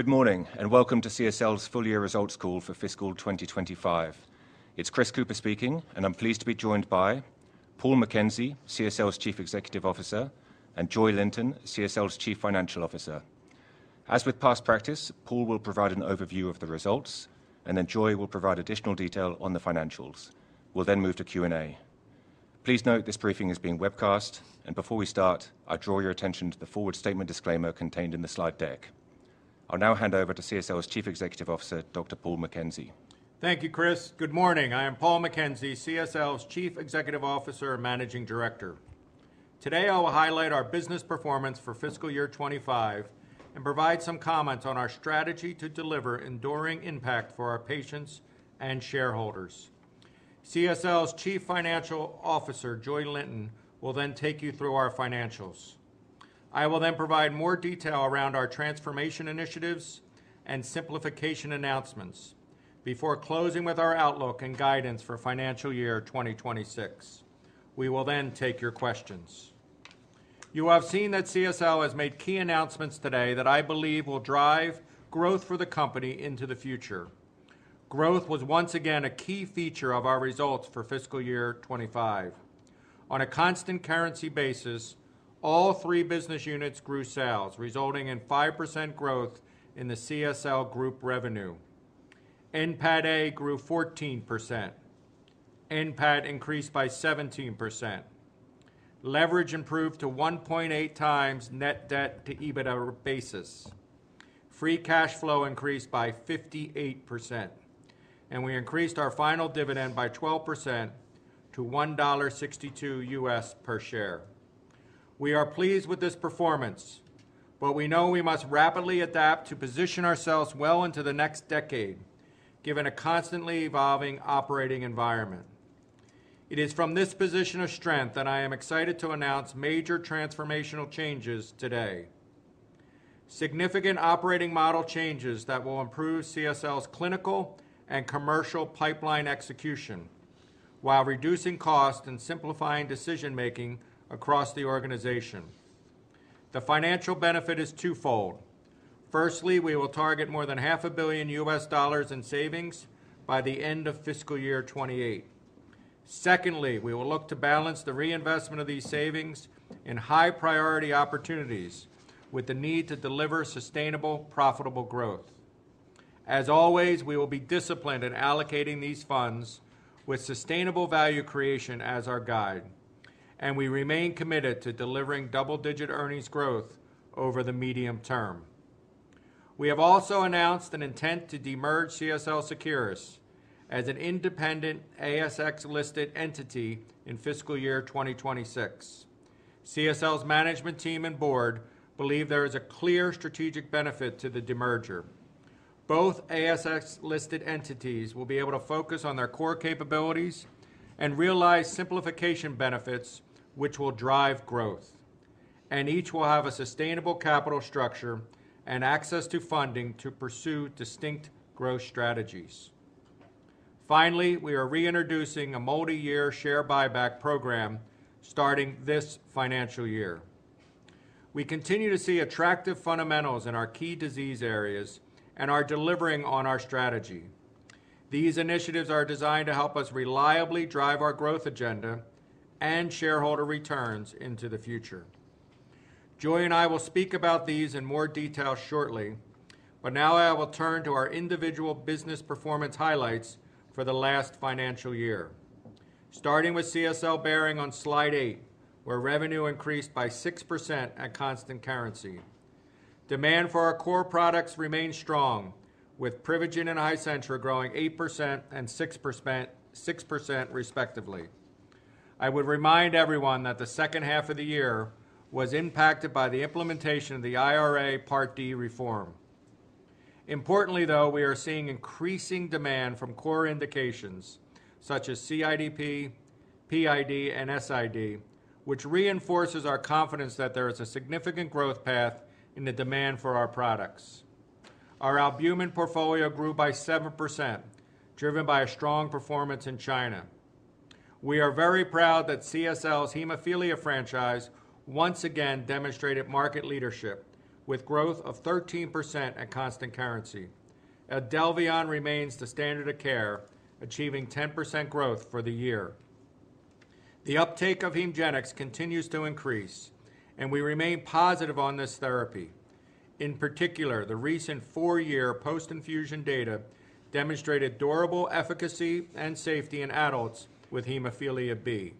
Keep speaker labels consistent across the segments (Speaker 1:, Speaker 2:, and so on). Speaker 1: Good morning and welcome to CSL's full-year results call for fiscal 2025. It's Chris Cooper speaking, and I'm pleased to be joined by Dr. Paul McKenzie, CSL's Chief Executive Officer, and Joy Linton, CSL's Chief Financial Officer. As with past practice, Paul will provide an overview of the results, and then Joy will provide additional detail on the financials. We'll then move to Q&A. Please note this briefing is being webcast, and before we start, I draw your attention to the forward statement disclaimer contained in the slide deck. I'll now hand over to CSL's Chief Executive Officer, Dr. Paul McKenzie.
Speaker 2: Thank you, Chris. Good morning. I am Paul McKenzie, CSL's Chief Executive Officer and Managing Director. Today, I will highlight our business performance for fiscal year 2025 and provide some comments on our strategy to deliver enduring impact for our patients and shareholders. CSL's Chief Financial Officer, Joy Linton, will then take you through our financials. I will then provide more detail around our transformation initiatives and simplification announcements before closing with our outlook and guidance for fiscal year 2026. We will then take your questions. You have seen that CSL has made key announcements today that I believe will drive growth for the company into the future. Growth was once again a key feature of our results for fiscal year 2025. On a constant currency basis, all three business units grew sales, resulting in 5% growth in the CSL Group revenue. NPATA grew 14%. NPAT increased by 17%. Leverage improved to 1.8 times net debt to EBITDA basis. Free cash flow increased by 58%. We increased our final dividend by 12% to $1.62 US per share. We are pleased with this performance, but we know we must rapidly adapt to position ourselves well into the next decade, given a constantly evolving operating environment. It is from this position of strength that I am excited to announce major transformational changes today. Significant operating model changes will improve CSL's clinical and commercial pipeline execution, while reducing cost and simplifying decision-making across the organization. The financial benefit is twofold. Firstly, we will target more than half a billion US dollars in savings by the end of fiscal year 2028. Secondly, we will look to balance the reinvestment of these savings in high-priority opportunities with the need to deliver sustainable, profitable growth. As always, we will be disciplined in allocating these funds with sustainable value creation as our guide, and we remain committed to delivering double-digit earnings growth over the medium term. We have also announced an intent to demerge CSL Seqirus as an independent ASX-listed entity in fiscal year 2026. CSL's management team and board believe there is a clear strategic benefit to the demerger. Both ASX-listed entities will be able to focus on their core capabilities and realize simplification benefits, which will drive growth. Each will have a sustainable capital structure and access to funding to pursue distinct growth strategies. Finally, we are reintroducing a multi-year share buyback program starting this financial year. We continue to see attractive fundamentals in our key disease areas and are delivering on our strategy. These initiatives are designed to help us reliably drive our growth agenda and shareholder returns into the future. Joy and I will speak about these in more detail shortly, but now I will turn to our individual business performance highlights for the last financial year. Starting with CSL Behring on slide 8, where revenue increased by 6% at constant currency. Demand for our core products remains strong, with Privigen and Hizentra growing 8% and 6% respectively. I would remind everyone that the second half of the year was impacted by the implementation of the IRA Part D reform. Importantly, though, we are seeing increasing demand from core indications such as CIDP, PID, and SID, which reinforces our confidence that there is a significant growth path in the demand for our products. Our albumin portfolio grew by 7%, driven by a strong performance in China. We are very proud that CSL's haemophilia franchise once again demonstrated market leadership with growth of 13% at constant currency. Idelveon remains the standard of care, achieving 10% growth for the year. The uptake of Hemgenix continues to increase, and we remain positive on this therapy. In particular, the recent four-year post-infusion data demonstrated durable efficacy and safety in adults with haemophilia B.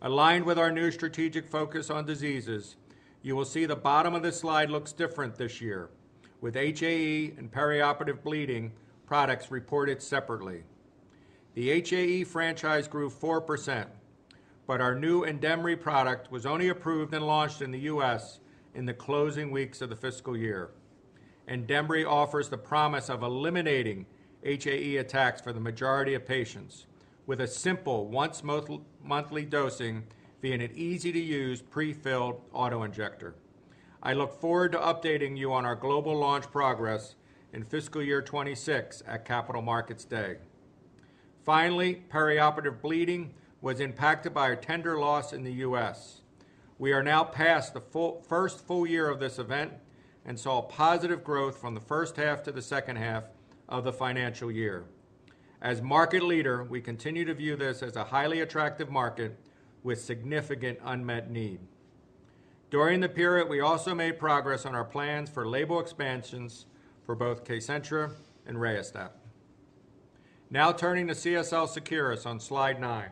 Speaker 2: Aligned with our new strategic focus on diseases, you will see the bottom of this slide looks different this year, with HAE and perioperative bleeding products reported separately. The HAE franchise grew 4%, but our new Andembry product was only approved and launched in the U.S. in the closing weeks of the fiscal year. Andembry offers the promise of eliminating HAE attacks for the majority of patients with a simple once-monthly dosing via an easy-to-use pre-filled auto-injector. I look forward to updating you on our global launch progress in fiscal year 2026 at Capital Markets Day. Finally, perioperative bleeding was impacted by a tender loss in the U.S. We are now past the first full year of this event and saw positive growth from the first half to the second half of the financial year. As market leader, we continue to view this as a highly attractive market with significant unmet need. During the period, we also made progress on our plans for label expansions for both KCENTRA and RIASTAP. Now turning to CSL Seqirus on slide 9.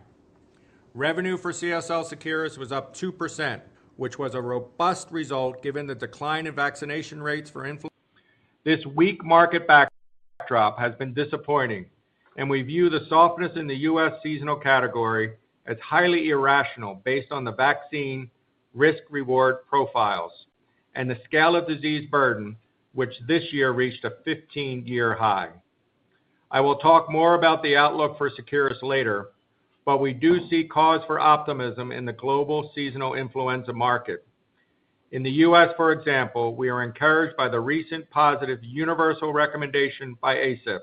Speaker 2: Revenue for CSL Seqirus was up 2%, which was a robust result given the decline in vaccination rates for influenza. This weak market backdrop has been disappointing, and we view the softness in the U.S. seasonal category as highly irrational based on the vaccine risk-reward profiles and the scale of disease burden, which this year reached a 15-year high. I will talk more about the outlook for Seqirus later, but we do see cause for optimism in the global seasonal influenza market. In the U.S., for example, we are encouraged by the recent positive universal recommendation by ACIP, a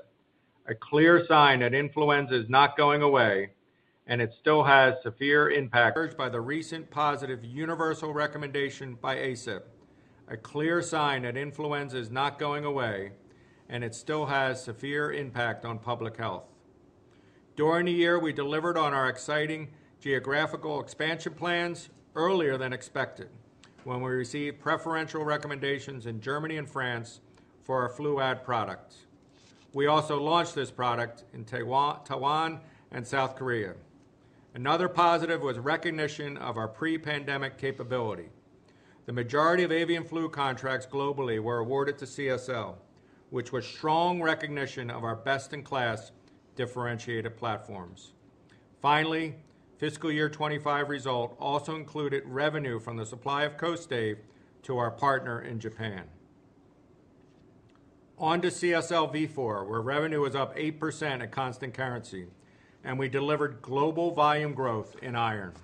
Speaker 2: clear sign that influenza is not going away, and it still has severe impact. Encouraged by the recent positive universal recommendation by ACIP, a clear sign that influenza is not going away, and it still has severe impact on public health. During the year, we delivered on our exciting geographical expansion plans earlier than expected when we received preferential recommendations in Germany and France for our flu ad products. We also launched this product in Taiwan and South Korea. Another positive was recognition of our pre-pandemic capability. The majority of avian flu contracts globally were awarded to CSL, which was strong recognition of our best-in-class differentiated platforms. Finally, fiscal year 2025 result also included revenue from the supply of CoStave to our partner in Japan. On to CSL Vifor, where revenue was up 8% at constant currency, and we delivered global volume growth in iron.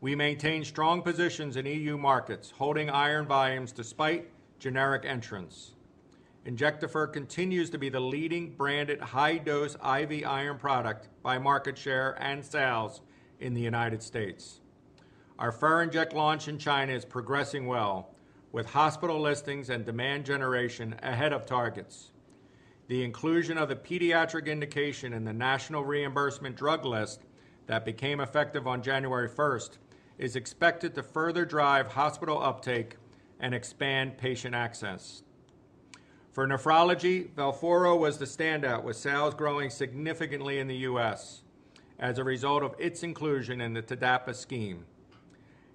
Speaker 2: We maintained strong positions in EU markets, holding iron volumes despite generic entrants. Injectafer continues to be the leading branded high-dose IV iron product by market share and sales in the United States. Our Ferinject launch in China is progressing well, with hospital listings and demand generation ahead of targets. The inclusion of a pediatric indication in the national reimbursement drug list that became effective on January 1 is expected to further drive hospital uptake and expand patient access. For nephrology, Velphoro was the standout, with sales growing significantly in the U.S. as a result of its inclusion in the TDAPA scheme.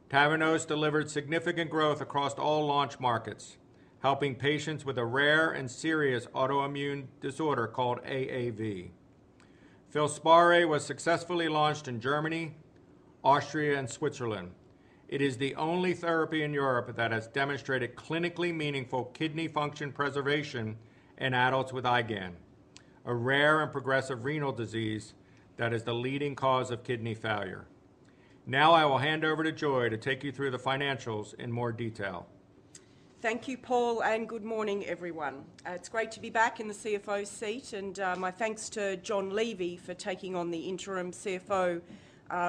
Speaker 2: Tavneos delivered significant growth across all launch markets, helping patients with a rare and serious autoimmune disorder called AAV. Filspari was successfully launched in Germany, Austria, and Switzerland. It is the only therapy in Europe that has demonstrated clinically meaningful kidney function preservation in adults with IgA, a rare and progressive renal disease that is the leading cause of kidney failure. Now I will hand over to Joy to take you through the financials in more detail.
Speaker 3: Thank you, Paul, and good morning, everyone. It's great to be back in the CFO's seat, and my thanks to John Levy for taking on the interim CFO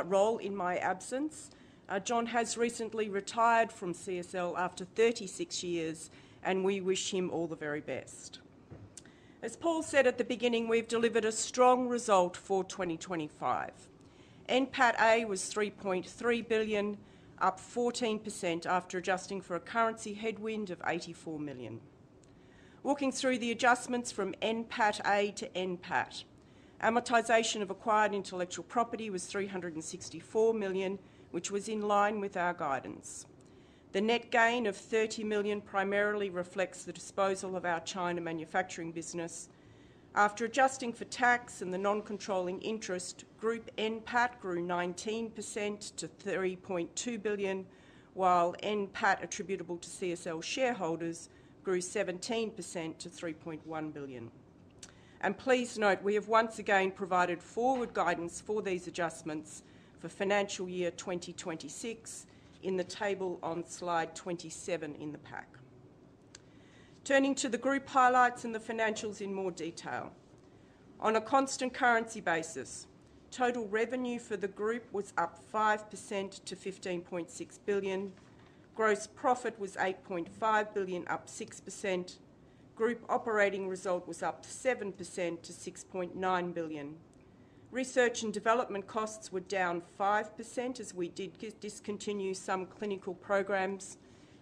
Speaker 3: role in my absence. John has recently retired from CSL after 36 years, and we wish him all the very best. As Paul said at the beginning, we've delivered a strong result for 2025. NPATA was $3.3 billion, up 14% after adjusting for a currency headwind of $84 million. Walking through the adjustments from NPATA to NPAT, amortization of acquired intellectual property was $364 million, which was in line with our guidance. The net gain of $30 million primarily reflects the disposal of our China manufacturing business. After adjusting for tax and the non-controlling interest, Group NPAT grew 19% to $3.2 billion, while NPAT attributable to CSL shareholders grew 17% to $3.1 billion. Please note, we have once again provided forward guidance for these adjustments for financial year 2026 in the table on slide 27 in the pack. Turning to the group highlights and the financials in more detail. On a constant currency basis, total revenue for the group was up 5% to $15.6 billion. Gross profit was $8.5 billion, up 6%. Group operating result was up 7% to $6.9 billion. Research and development costs were down 5% as we did discontinue some clinical programs.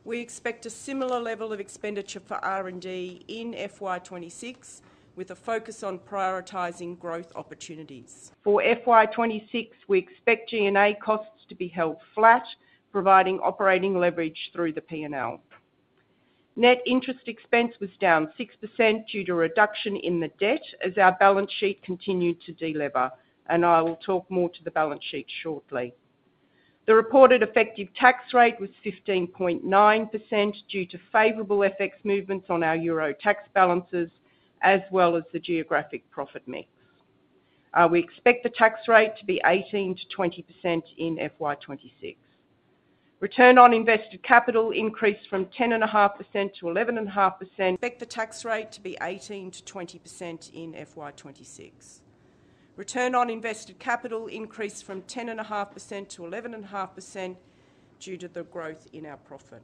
Speaker 3: We expect a similar level of expenditure for R&D in FY 2026, with a focus on prioritizing growth opportunities. For FY 2026, we expect G&A costs to be held flat, providing operating leverage through the P&L. Net interest expense was down 6% due to a reduction in the debt as our balance sheet continued to deliver, and I will talk more to the balance sheet shortly. The reported effective tax rate was 15.9% due to favorable FX movements on our euro tax balances, as well as the geographic profit mix. We expect the tax rate to be 18% to 20% in FY 2026. Return on invested capital increased from 10.5% to 11.5% due to the growth in our profit.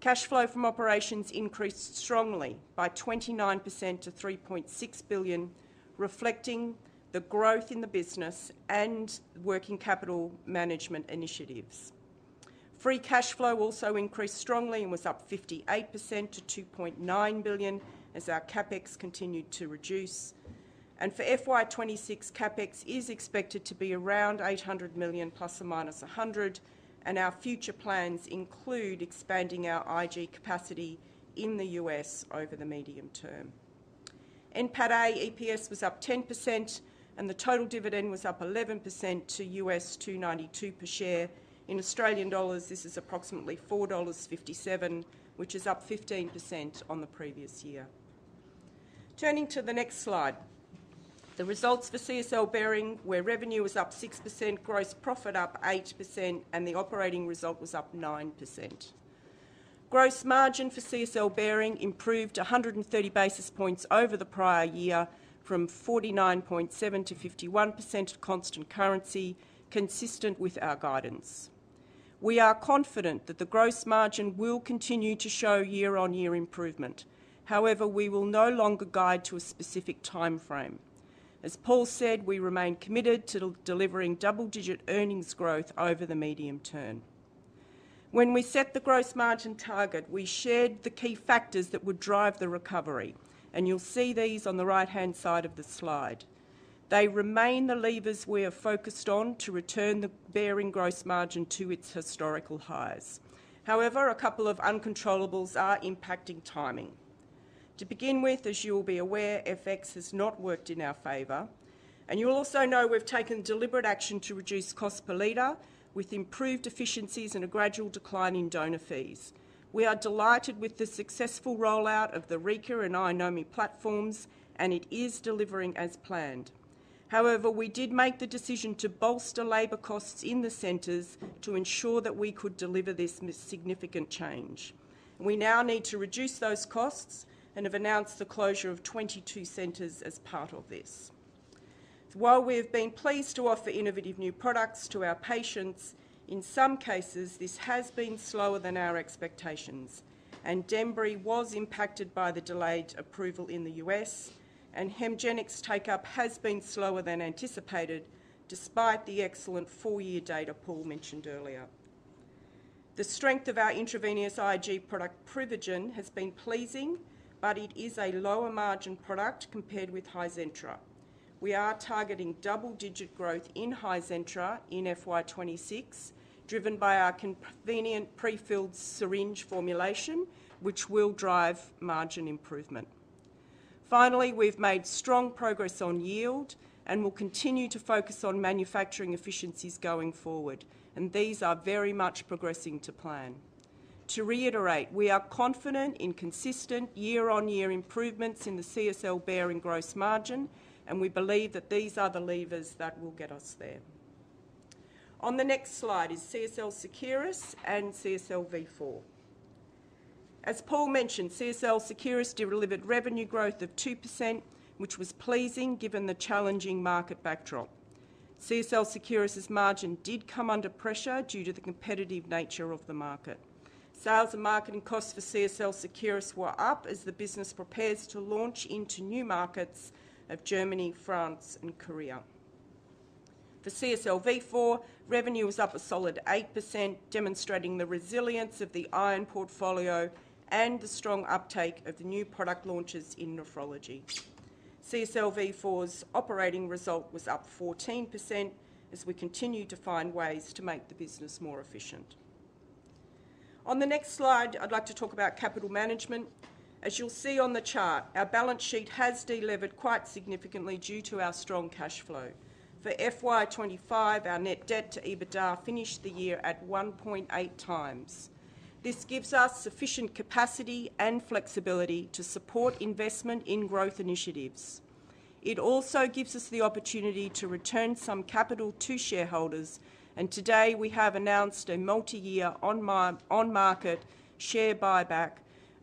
Speaker 3: Cash flow from operations increased strongly by 29% to $3.6 billion, reflecting the growth in the business and working capital management initiatives. Free cash flow also increased strongly and was up 58% to $2.9 billion as our CapEx continued to reduce. For FY 2026, CapEx is expected to be around $800 million plus or minus $100 million, and our future plans include expanding our Ig capacity in the U.S. over the medium term. NPATA EPS was up 10%, and the total dividend was up 11% to US$2.92 per share. In Australian dollars, this is approximately $4.57, which is up 15% on the previous year. Turning to the next slide, the results for CSL Behring, where revenue was up 6%, gross profit up 8%, and the operating result was up 9%. Gross margin for CSL Behring improved 130 basis points over the prior year from 49.7% to 51% at constant currency, consistent with our guidance. We are confident that the gross margin will continue to show year-on-year improvement. However, we will no longer guide to a specific timeframe. As Paul said, we remain committed to delivering double-digit earnings growth over the medium term. When we set the gross margin target, we shared the key factors that would drive the recovery, and you'll see these on the right-hand side of the slide. They remain the levers we are focused on to return the Behring gross margin to its historical highs. However, a couple of uncontrollables are impacting timing. To begin with, as you will be aware, FX has not worked in our favor, and you will also know we've taken deliberate action to reduce cost per liter, with improved efficiencies and a gradual decline in donor fees. We are delighted with the successful rollout of the RIKA and iNomi platforms, and it is delivering as planned. However, we did make the decision to bolster labor costs in the centers to ensure that we could deliver this significant change. We now need to reduce those costs and have announced the closure of 22 centers as part of this. While we have been pleased to offer innovative new products to our patients, in some cases, this has been slower than our expectations, and Andembry was impacted by the delayed approval in the U.S., and Hemgenix's take-up has been slower than anticipated, despite the excellent four-year data Paul mentioned earlier. The strength of our intravenous Ig product, Privigen, has been pleasing, but it is a lower margin product compared with Hizentra. We are targeting double-digit growth in Hizentra in FY 2026, driven by our convenient pre-filled syringe formulation, which will drive margin improvement. Finally, we've made strong progress on yield and will continue to focus on manufacturing efficiencies going forward, and these are very much progressing to plan. To reiterate, we are confident in consistent year-on-year improvements in the CSL Behring gross margin, and we believe that these are the levers that will get us there. On the next slide is CSL Seqirus and CSL Vifor. As Paul mentioned, CSL Seqirus delivered revenue growth of 2%, which was pleasing given the challenging market backdrop. CSL Seqirus' margin did come under pressure due to the competitive nature of the market. Sales and marketing costs for CSL Seqirus were up as the business prepares to launch into new markets of Germany, France, and South Korea. For CSL Vifor, revenue was up a solid 8%, demonstrating the resilience of the iron portfolio and the strong uptake of the new product launches in nephrology. CSL Vifor's operating result was up 14% as we continue to find ways to make the business more efficient. On the next slide, I'd like to talk about capital management. As you'll see on the chart, our balance sheet has delivered quite significantly due to our strong cash flow. For FY 2025, our net debt to EBITDA finished the year at 1.8x. This gives us sufficient capacity and flexibility to support investment in growth initiatives. It also gives us the opportunity to return some capital to shareholders, and today we have announced a multi-year on-market share buyback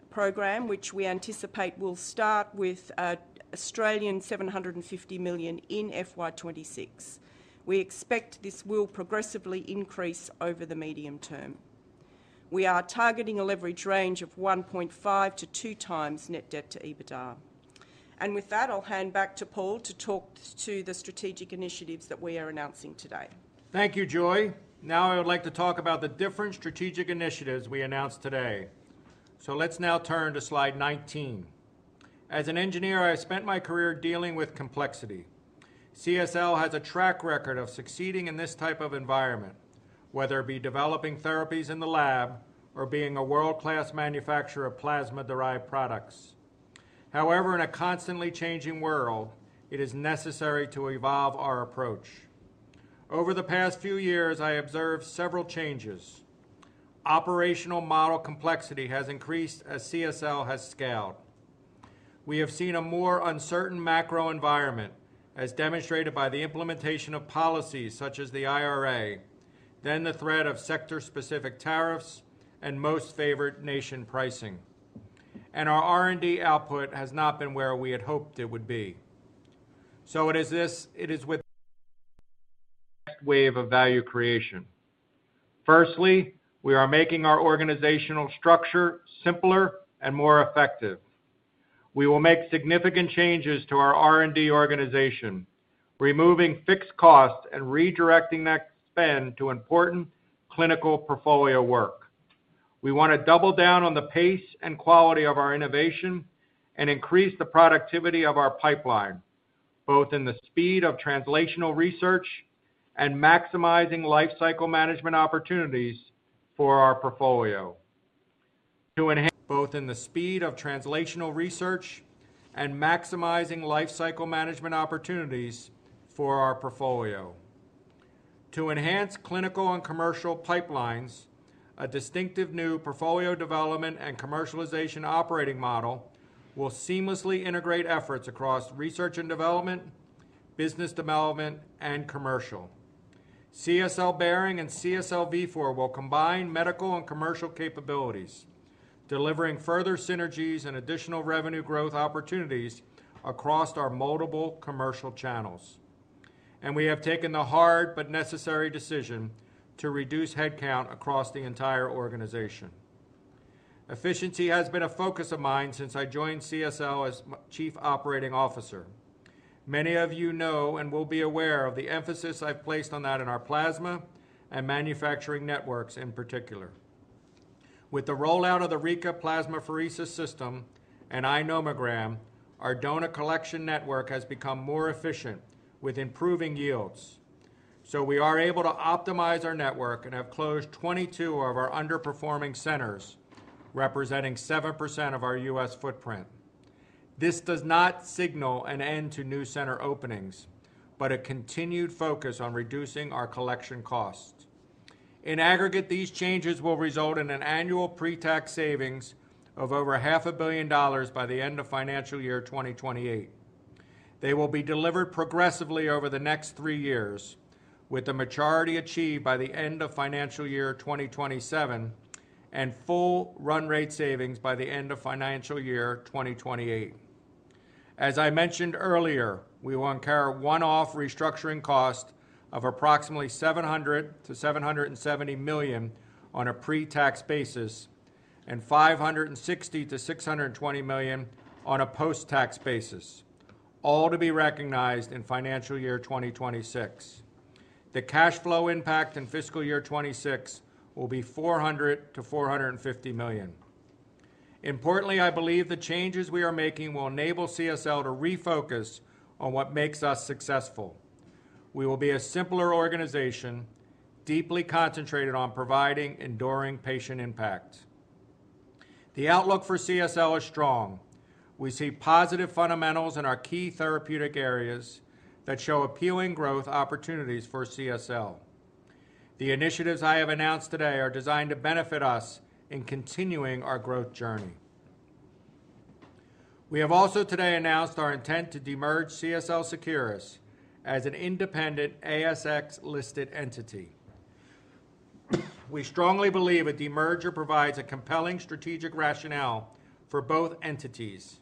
Speaker 3: program, which we anticipate will start with an A$750 million in FY 2026. We expect this will progressively increase over the medium term. We are targeting a leverage range of 1.5x to 2x net debt to EBITDA. With that, I'll hand back to Paul to talk to the strategic initiatives that we are announcing today.
Speaker 2: Thank you, Joy. Now I would like to talk about the different strategic initiatives we announced today. Let's now turn to slide 19. As an engineer, I spent my career dealing with complexity. CSL has a track record of succeeding in this type of environment, whether it be developing therapies in the lab or being a world-class manufacturer of plasma-derived products. However, in a constantly changing world, it is necessary to evolve our approach. Over the past few years, I observed several changes. Operational model complexity has increased as CSL has scaled. We have seen a more uncertain macro environment, as demonstrated by the implementation of policies such as the IRA, the threat of sector-specific tariffs, and most favored nation pricing. Our R&D output has not been where we had hoped it would be. It is this wave of value creation. Firstly, we are making our organizational structure simpler and more effective. We will make significant changes to our R&D organization, removing fixed costs and redirecting that spend to important clinical portfolio work. We want to double down on the pace and quality of our innovation and increase the productivity of our pipeline, both in the speed of translational research and maximizing lifecycle management opportunities for our portfolio. To enhance clinical and commercial pipelines, a distinctive new portfolio development and commercialization operating model will seamlessly integrate efforts across research and development, business development, and commercial. CSL Behring and CSL Vifor will combine medical and commercial capabilities, delivering further synergies and additional revenue growth opportunities across our multiple commercial channels. We have taken the hard but necessary decision to reduce headcount across the entire organization. Efficiency has been a focus of mine since I joined CSL as Chief Operating Officer. Many of you know and will be aware of the emphasis I've placed on that in our plasma and manufacturing networks in particular. With the rollout of the RIKA plasmapheresis system and iNOMOGRAM, our donor collection network has become more efficient with improving yields. We are able to optimize our network and have closed 22 of our underperforming U.S. plasma centers, representing 7% of our U.S. footprint. This does not signal an end to new center openings, but a continued focus on reducing our collection costs. In aggregate, these changes will result in an annual pre-tax savings of over half a billion dollars by the end of financial year 2028. They will be delivered progressively over the next three years, with the maturity achieved by the end of financial year 2027 and full run-rate savings by the end of financial year 2028. As I mentioned earlier, we will incur one-off restructuring costs of approximately $700 million-$770 million on a pre-tax basis and $560 million-$620 million on a post-tax basis, all to be recognized in financial year 2026. The cash flow impact in fiscal year 2026 will be $400 million-$450 million. Importantly, I believe the changes we are making will enable CSL to refocus on what makes us successful. We will be a simpler organization, deeply concentrated on providing enduring patient impact. The outlook for CSL is strong. We see positive fundamentals in our key therapeutic areas that show appealing growth opportunities for CSL. The initiatives I have announced today are designed to benefit us in continuing our growth journey. We have also today announced our intent to demerge CSL Seqirus as an independent ASX-listed entity. We strongly believe a demerger provides a compelling strategic rationale for both entities.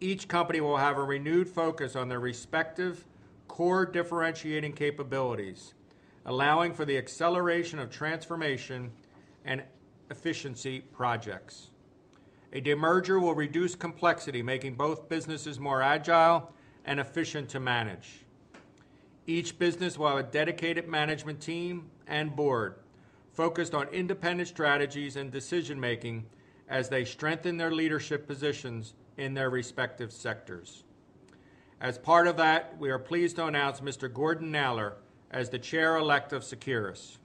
Speaker 2: Each company will have a renewed focus on their respective core differentiating capabilities, allowing for the acceleration of transformation and efficiency projects. A demerger will reduce complexity, making both businesses more agile and efficient to manage. Each business will have a dedicated management team and board focused on independent strategies and decision-making as they strengthen their leadership positions in their respective sectors. As part of that, we are pleased to announce Mr. Gordon Naylor as the Chair-Elect of CSL Seqirus.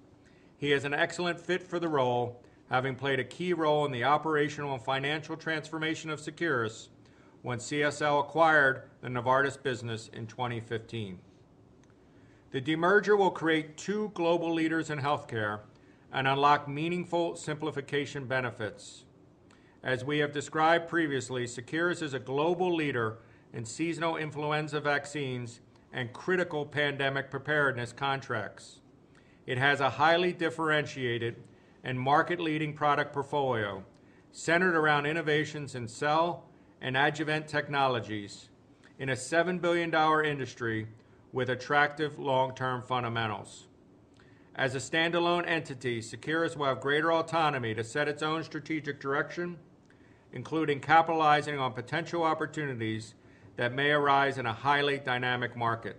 Speaker 2: He is an excellent fit for the role, having played a key role in the operational and financial transformation of Seqirus when CSL acquired the Novartis business in 2015. The demerger will create two global leaders in healthcare and unlock meaningful simplification benefits. As we have described previously, Seqirus is a global leader in seasonal influenza vaccines and critical pandemic preparedness contracts. It has a highly differentiated and market-leading product portfolio centered around innovations in cell and adjuvant technologies in a $7 billion industry with attractive long-term fundamentals. As a standalone entity, CSL Seqirus will have greater autonomy to set its own strategic direction, including capitalizing on potential opportunities that may arise in a highly dynamic market.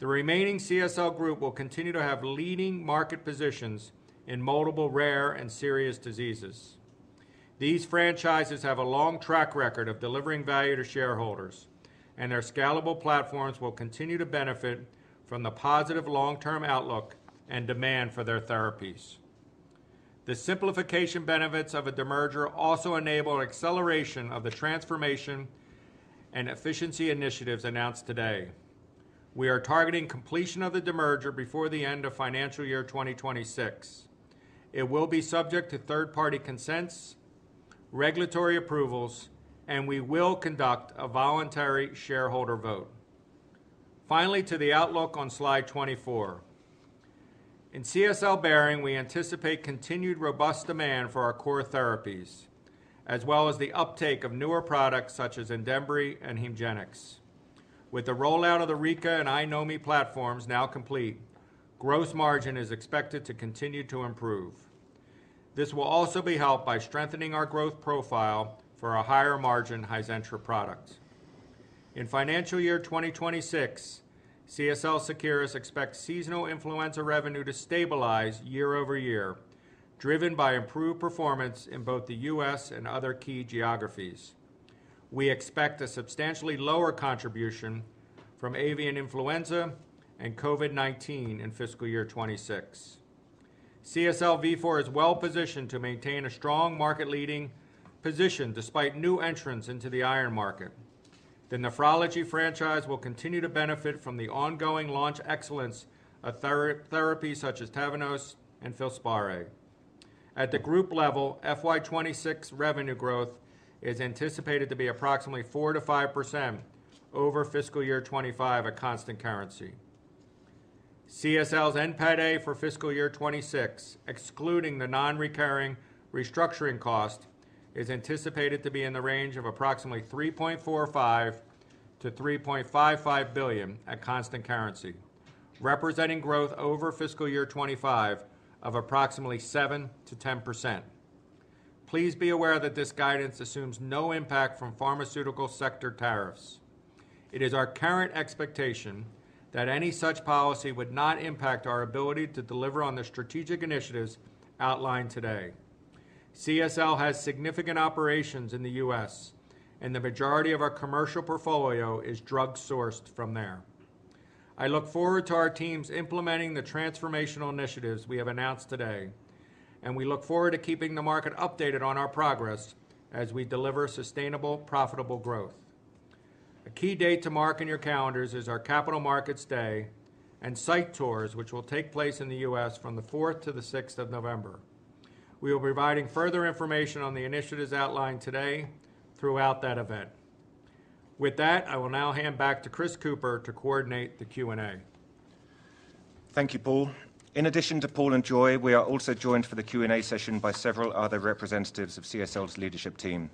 Speaker 2: The remaining CSL group will continue to have leading market positions in multiple rare and serious diseases. These franchises have a long track record of delivering value to shareholders, and their scalable platforms will continue to benefit from the positive long-term outlook and demand for their therapies. The simplification benefits of a demerger also enable acceleration of the transformation and efficiency initiatives announced today. We are targeting completion of the demerger before the end of financial year 2026. It will be subject to third-party consents, regulatory approvals, and we will conduct a voluntary shareholder vote. Finally, to the outlook on slide 24. In CSL Behring, we anticipate continued robust demand for our core therapies, as well as the uptake of newer products such as Andembry and Hemgenix. With the rollout of the RIKA and iNomi platforms now complete, gross margin is expected to continue to improve. This will also be helped by strengthening our growth profile for our higher margin Hizentra products. In financial year 2026, CSL Seqirus expects seasonal influenza revenue to stabilize year-over-year, driven by improved performance in both the U.S. and other key geographies. We expect a substantially lower contribution from avian influenza and COVID-19 in fiscal year 2026. CSL Vifor is well positioned to maintain a strong market-leading position despite new entrants into the iron market. The nephrology franchise will continue to benefit from the ongoing launch excellence of therapies such as Tavneos and Filspari. At the group level, FY 2026 revenue growth is anticipated to be approximately 4%-5% over fiscal year 2025 at constant currency. CSL's NPATA for fiscal year 2026, excluding the non-recurring restructuring cost, is anticipated to be in the range of approximately $3.45 billion-$3.55 billion at constant currency, representing growth over fiscal year 2025 of approximately 7%-10%. Please be aware that this guidance assumes no impact from pharmaceutical sector tariffs. It is our current expectation that any such policy would not impact our ability to deliver on the strategic initiatives outlined today. CSL has significant operations in the U.S., and the majority of our commercial portfolio is drug sourced from there. I look forward to our teams implementing the transformational initiatives we have announced today, and we look forward to keeping the market updated on our progress as we deliver sustainable, profitable growth. A key date to mark in your calendars is our Capital Markets Day and site tours, which will take place in the U.S. from the 4th to the 6th of November. We will be providing further information on the initiatives outlined today throughout that event. With that, I will now hand back to Chris Cooper to coordinate the Q&A.
Speaker 1: Thank you, Paul. In addition to Paul and Joy, we are also joined for the Q&A session by several other representatives of CSL's leadership team.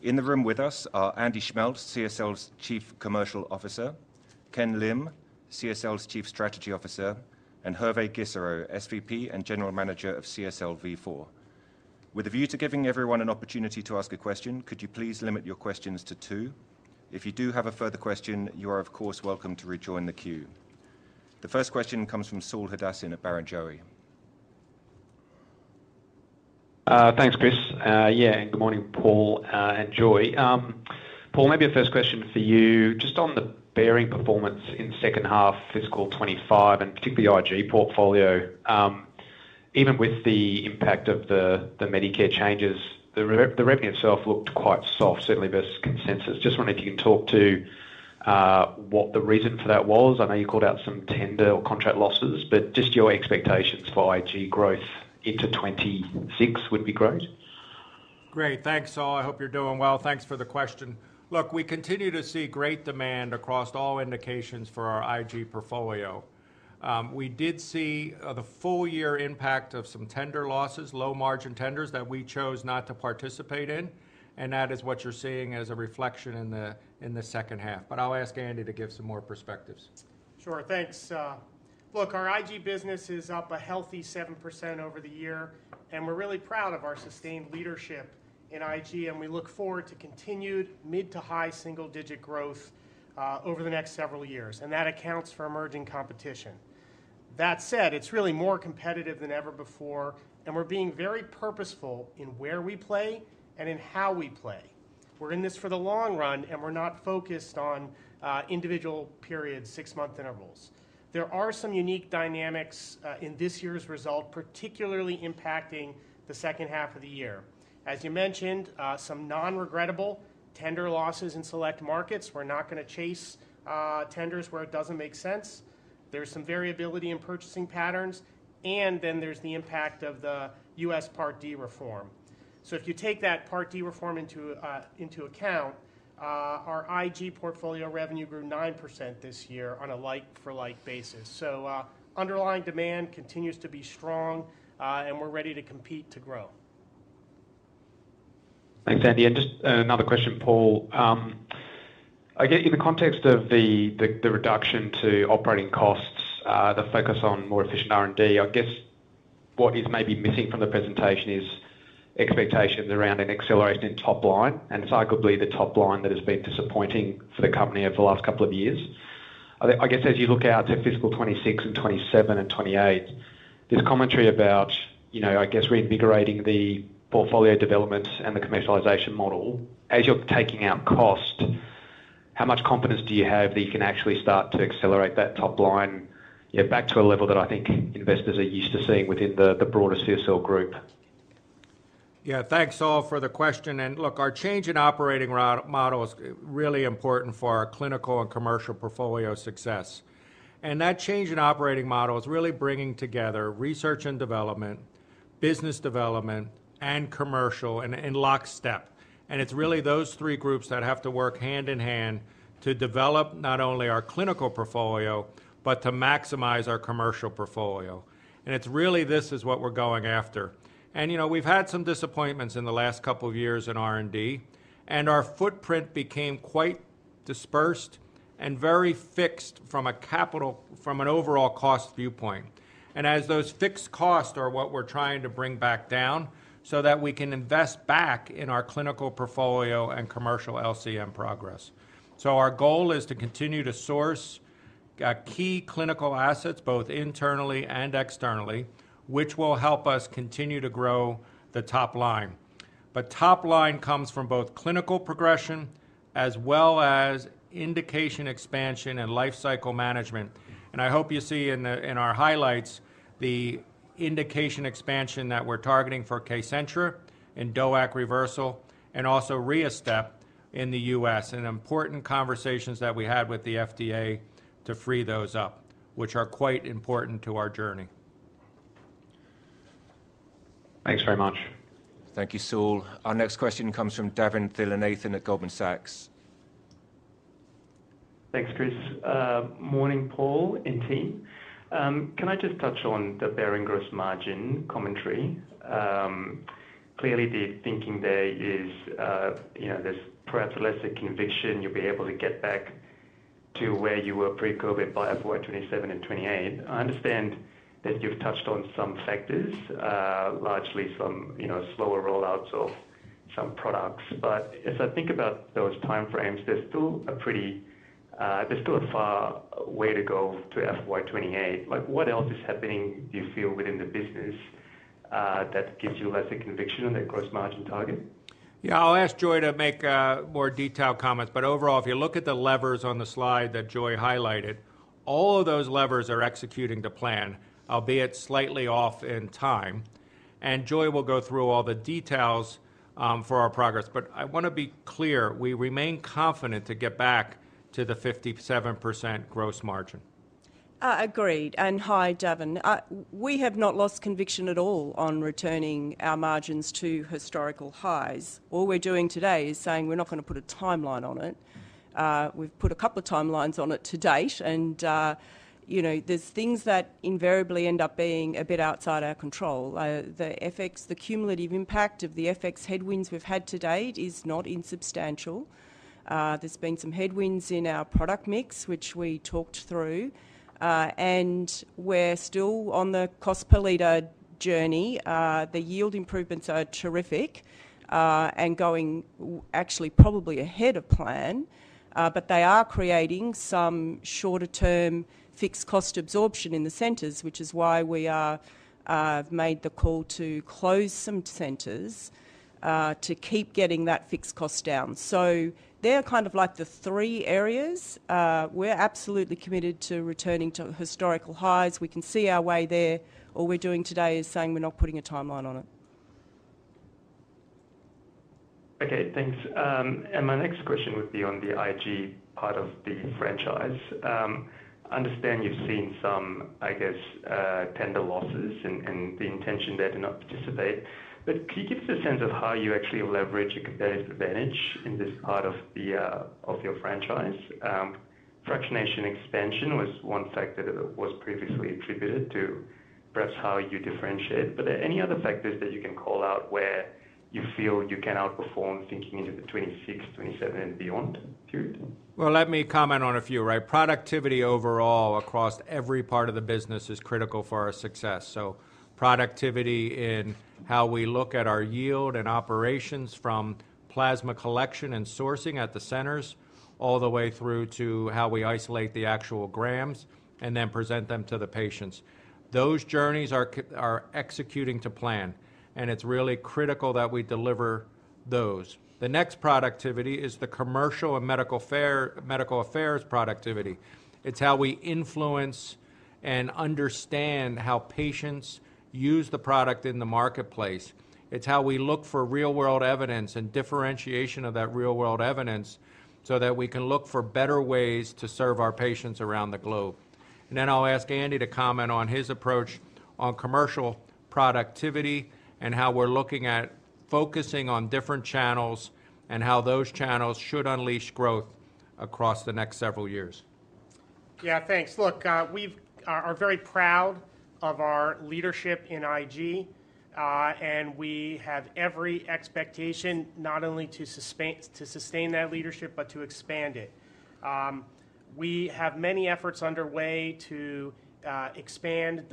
Speaker 1: In the room with us are Andy Schmeltz, CSL's Chief Commercial Officer, Ken Lim, CSL's Chief Strategy Officer, and Hervé Gisserot, SVP and General Manager of CSL Vifor. With a view to giving everyone an opportunity to ask a question, could you please limit your questions to two? If you do have a further question, you are, of course, welcome to rejoin the queue. The first question comes from Saul Hadassin at Barrenjoey.
Speaker 4: Thanks, Chris. Yeah, and good morning, Paul and Joy. Paul, maybe a first question for you just on the Behring performance in the second half of fiscal 2025 and particularly the Ig portfolio. Even with the impact of the Medicare changes, the revenue itself looked quite soft, certainly versus the consensus. Just wondering if you can talk to what the reason for that was. I know you called out some tender or contract losses, but just your expectations for Ig growth into 2026 would be great.
Speaker 2: Great, thanks, Saul. I hope you're doing well. Thanks for the question. Look, we continue to see great demand across all indications for our Ig portfolio. We did see the full-year impact of some tender losses, low-margin tenders that we chose not to participate in, and that is what you're seeing as a reflection in the second half. I'll ask Andy to give some more perspectives.
Speaker 5: Sure, thanks. Look, our Ig business is up a healthy 7% over the year, and we're really proud of our sustained leadership in Ig, and we look forward to continued mid-to-high single-digit growth over the next several years, and that accounts for emerging competition. That said, it's really more competitive than ever before, and we're being very purposeful in where we play and in how we play. We're in this for the long run, and we're not focused on individual periods, six-month intervals. There are some unique dynamics in this year's result, particularly impacting the second half of the year. As you mentioned, some non-regrettable tender losses in select markets. We're not going to chase tenders where it doesn't make sense. There's some variability in purchasing patterns, and then there's the impact of the U.S. Part D reform. If you take that Part D reform into account, our Ig portfolio revenue grew 9% this year on a like-for-like basis. Underlying demand continues to be strong, and we're ready to compete to grow.
Speaker 4: Thanks, Andy. Just another question, Paul. I guess in the context of the reduction to operating costs, the focus on more efficient R&D, what is maybe missing from the presentation is expectations around an acceleration in top line, and cyclically, the top line that has been disappointing for the company over the last couple of years. As you look out to fiscal 2026 and 2027 and 2028, there's commentary about reinvigorating the portfolio developments and the commercialization model. As you're taking out cost, how much confidence do you have that you can actually start to accelerate that top line back to a level that I think investors are used to seeing within the broader CSL group?
Speaker 2: Yeah, thanks, Saul, for the question. Our change in operating model is really important for our clinical and commercial portfolio success. That change in operating model is really bringing together research and development, business development, and commercial, in lockstep. It's really those three groups that have to work hand in hand to develop not only our clinical portfolio, but to maximize our commercial portfolio. This is what we're going after. We've had some disappointments in the last couple of years in R&D, and our footprint became quite dispersed and very fixed from a capital, from an overall cost viewpoint. Those fixed costs are what we're trying to bring back down so that we can invest back in our clinical portfolio and commercial LCM progress. Our goal is to continue to source key clinical assets, both internally and externally, which will help us continue to grow the top line. Top line comes from both clinical progression as well as indication expansion and lifecycle management. I hope you see in our highlights the indication expansion that we're targeting for KCENTRA and DOAC reversal, and also RIASTAP in the U.S., and important conversations that we had with the FDA to free those up, which are quite important to our journey.
Speaker 4: Thanks very much.
Speaker 1: Thank you, Saul. Our next question comes from Davinthra Thillainathan at Goldman Sachs.
Speaker 6: Thanks, Chris. Morning, Paul and team. Can I just touch on the Behring gross margin commentary? Clearly, the thinking there is there's perhaps lesser conviction you'll be able to get back to where you were pre-COVID by FY 2027 and 2028. I understand that you've touched on some factors, largely some slower rollouts of some products. As I think about those timeframes, there's still a pretty, there's still a far way to go to FY2028. What else is happening, do you feel, within the business that gives you lesser conviction on that gross margin target?
Speaker 2: Yeah, I'll ask Joy to make more detailed comments. Overall, if you look at the levers on the slide that Joy highlighted, all of those levers are executing to plan, albeit slightly off in time. Joy will go through all the details for our progress. I want to be clear, we remain confident to get back to the 57% gross margin.
Speaker 3: Agreed. Hi, Davin. We have not lost conviction at all on returning our margins to historical highs. All we're doing today is saying we're not going to put a timeline on it. We've put a couple of timelines on it to date. There are things that invariably end up being a bit outside our control. The FX, the cumulative impact of the FX headwinds we've had to date, is not insubstantial. There have been some headwinds in our product mix, which we talked through. We're still on the cost per liter journey. The yield improvements are terrific and going actually probably ahead of plan, but they are creating some shorter-term fixed cost absorption in the centers, which is why we have made the call to close some centers to keep getting that fixed cost down. Those are kind of like the three areas. We're absolutely committed to returning to historical highs. We can see our way there. All we're doing today is saying we're not putting a timeline on it.
Speaker 6: Okay, thanks. My next question would be on the Ig part of the franchise. I understand you've seen some, I guess, tender losses and the intention there to not participate. Can you give us a sense of how you actually leverage a competitive advantage in this part of your franchise? Fractionation expansion was one factor that was previously attributed to perhaps how you differentiate. Are there any other factors that you can call out where you feel you can outperform thinking into the 2026, 2027, and beyond period?
Speaker 2: Productivity overall across every part of the business is critical for our success. Productivity in how we look at our yield and operations from plasma collection and sourcing at the centers all the way through to how we isolate the actual grams and then present them to the patients. Those journeys are executing to plan, and it's really critical that we deliver those. The next productivity is the commercial and medical affairs productivity. It's how we influence and understand how patients use the product in the marketplace. It's how we look for real-world evidence and differentiation of that real-world evidence so that we can look for better ways to serve our patients around the globe. I'll ask Andy to comment on his approach on commercial productivity and how we're looking at focusing on different channels and how those channels should unleash growth across the next several years.
Speaker 5: Yeah, thanks. Look, we are very proud of our leadership in Ig. We have every expectation not only to sustain that leadership but to expand it. We have many efforts underway to expand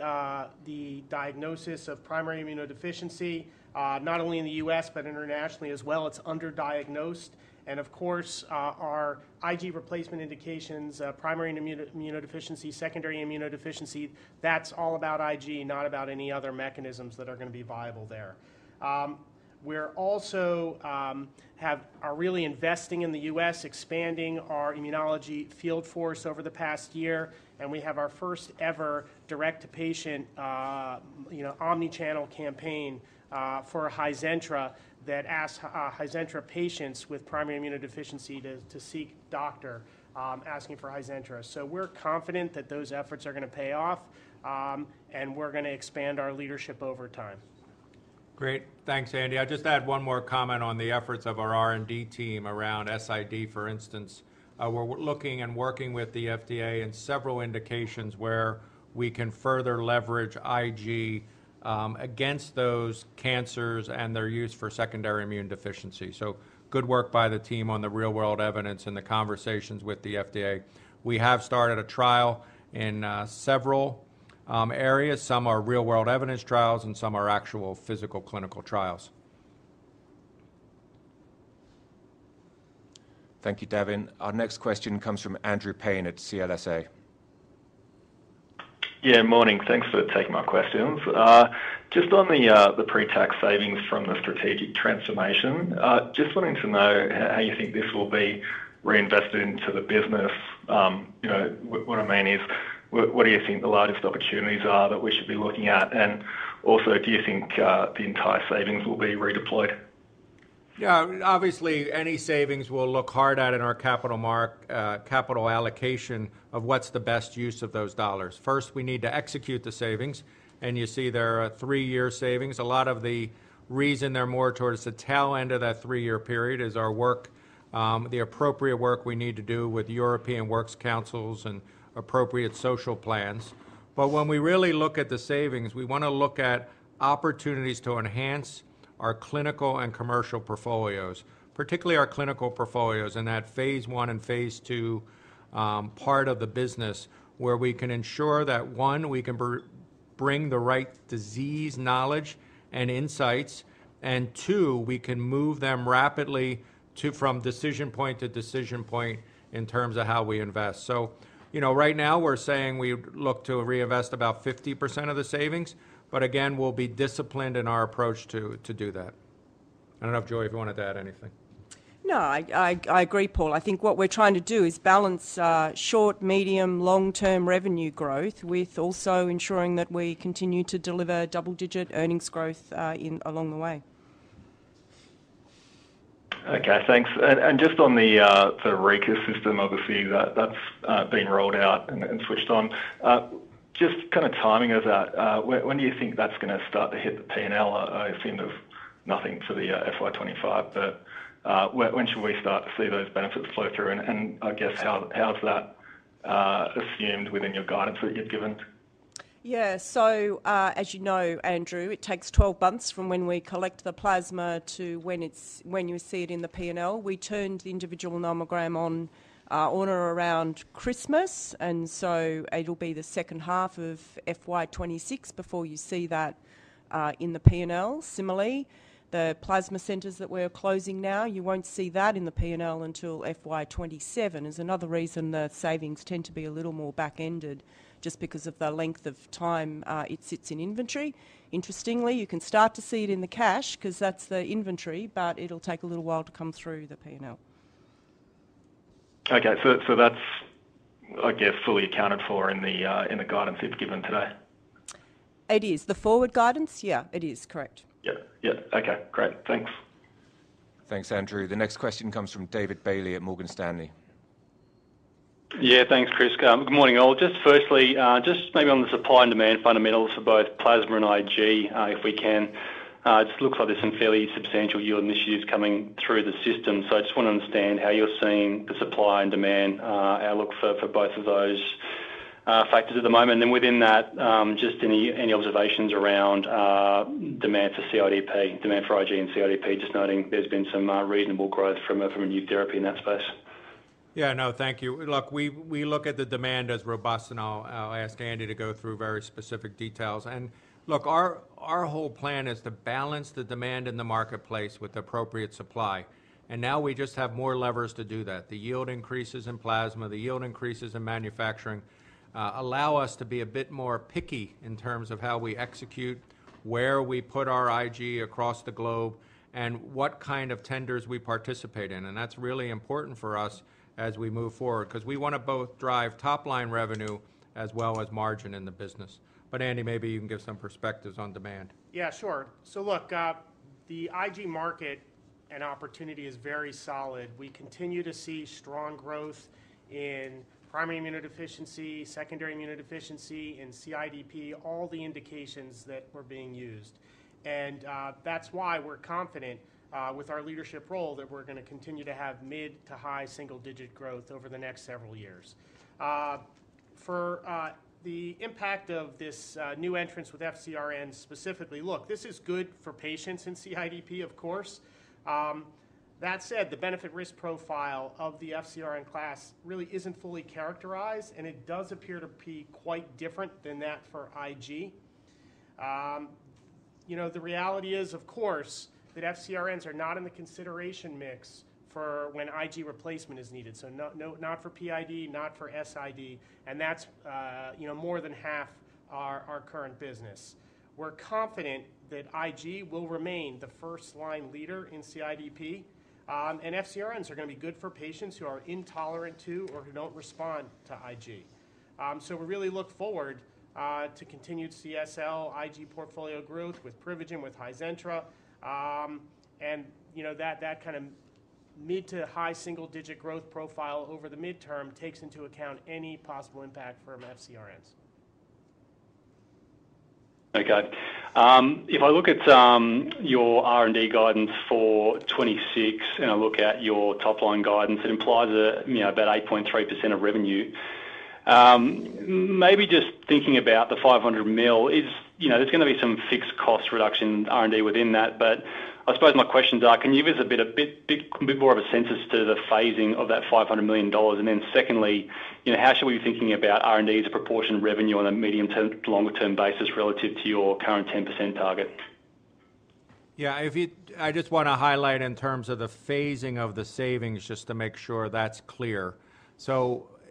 Speaker 5: the diagnosis of primary immunodeficiency, not only in the U.S. but internationally as well. It's underdiagnosed. Our Ig replacement indications, primary immunodeficiency, secondary immunodeficiency, that's all about Ig, not about any other mechanisms that are going to be viable there. We also are really investing in the U.S., expanding our immunology field force over the past year. We have our first ever direct-to-patient omnichannel campaign for Hizentra that asks Hizentra patients with primary immunodeficiency to seek a doctor asking for Hizentra. We're confident that those efforts are going to pay off, and we're going to expand our leadership over time.
Speaker 2: Great. Thanks, Andy. I'll just add one more comment on the efforts of our R&D team around SID, for instance. We're looking and working with the FDA in several indications where we can further leverage Ig against those cancers and their use for secondary immune deficiency. Good work by the team on the real-world evidence and the conversations with the FDA. We have started a trial in several areas. Some are real-world evidence trials, and some are actual physical clinical trials.
Speaker 1: Thank you, Davin. Our next question comes from Andrew Paine at CLSA.
Speaker 7: Yeah, morning. Thanks for taking my questions. Just on the pre-tax savings from the strategic transformation, just wanting to know how you think this will be reinvested into the business. What I mean is, what do you think the largest opportunities are that we should be looking at? Also, do you think the entire savings will be redeployed?
Speaker 2: Yeah, obviously, any savings we'll look hard at in our capital market, capital allocation of what's the best use of those dollars. First, we need to execute the savings. You see there are three-year savings. A lot of the reason they're more towards the tail end of that three-year period is our work, the appropriate work we need to do with European Works Councils and appropriate social plans. When we really look at the savings, we want to look at opportunities to enhance our clinical and commercial portfolios, particularly our clinical portfolios in that phase one and phase two part of the business, where we can ensure that, one, we can bring the right disease, knowledge, and insights, and two, we can move them rapidly from decision point to decision point in terms of how we invest. Right now we're saying we look to reinvest about 50% of the savings, but again, we'll be disciplined in our approach to do that. I don't know, if Joy, if you wanted to add anything.
Speaker 3: No, I agree, Paul. I think what we're trying to do is balance short, medium, long-term revenue growth with also ensuring that we continue to deliver double-digit earnings growth along the way.
Speaker 7: Okay, thanks. Just on the RIKA system, obviously that's been rolled out and switched on. Just kind of timing us out, when do you think that's going to start to hit the P&L? I assume there's nothing for the FY 2025, but when should we start to see those benefits flow through? I guess, how's that assumed within your guidance that you've given?
Speaker 3: As you know, Andrew, it takes 12 months from when we collect the plasma to when you see it in the P&L. We turned the individual nomogram on or around Christmas, and it'll be the second half of FY 2026 before you see that in the P&L. Similarly, the plasma centers that we're closing now, you won't see that in the P&L until FY 2027. There's another reason the savings tend to be a little more back-ended, just because of the length of time it sits in inventory. Interestingly, you can start to see it in the cash because that's the inventory, but it'll take a little while to come through the P&L.
Speaker 7: Okay, so that's, I guess, fully accounted for in the guidance you've given today.
Speaker 3: It is the forward guidance, yeah, it is correct.
Speaker 7: Okay, great, thanks.
Speaker 1: Thanks, Andrew. The next question comes from David Bailey at Morgan Stanley.
Speaker 8: Yeah, thanks, Chris. Good morning, all. Firstly, maybe on the supply and demand fundamentals for both plasma and Ig, if we can. It just looks like there's some fairly substantial yield issues coming through the system. I just want to understand how you're seeing the supply and demand outlook for both of those factors at the moment. Within that, any observations around demand for CIDP, demand for Ig and CIDP, just noting there's been some reasonable growth from immunotherapy in that space.
Speaker 2: Thank you. Look, we look at the demand as robust, and I'll ask Andy to go through very specific details. Our whole plan is to balance the demand in the marketplace with appropriate supply. Now we just have more levers to do that. The yield increases in plasma, the yield increases in manufacturing allow us to be a bit more picky in terms of how we execute, where we put our Ig across the globe, and what kind of tenders we participate in. That's really important for us as we move forward because we want to both drive top-line revenue as well as margin in the business. Andy, maybe you can give some perspectives on demand.
Speaker 5: Yeah, sure. The Ig market and opportunity is very solid. We continue to see strong growth in primary immunodeficiency, secondary immunodeficiency, in CIDP, all the indications that were being used. That's why we're confident with our leadership role that we're going to continue to have mid to high single-digit growth over the next several years. For the impact of this new entrance with FCRN specifically, this is good for patients in CIDP, of course. That said, the benefit-risk profile of the FCRN class really isn't fully characterized, and it does appear to be quite different than that for Ig. The reality is, of course, that FCRNs are not in the consideration mix for when Ig replacement is needed. Not for PID, not for SID, and that's more than half our current business. We're confident that Ig will remain the first-line leader in CIDP, and FCRNs are going to be good for patients who are intolerant to or who don't respond to Ig. We really look forward to continued CSL Ig portfolio growth with Privigen, with Hizentra, and that kind of mid to high single-digit growth profile over the midterm takes into account any possible impact from FCRNs.
Speaker 8: Okay. If I look at your R&D guidance for 2026, and I look at your top-line guidance, it implies about 8.3% of revenue. Maybe just thinking about the $500 million, you know, there's going to be some fixed cost reduction R&D within that, but I suppose my questions are, can you give us a bit more of a sense as to the phasing of that $500 million? Secondly, you know, how should we be thinking about R&D as a proportion of revenue on a medium to longer-term basis relative to your current 10% target?
Speaker 2: I just want to highlight in terms of the phasing of the savings, just to make sure that's clear.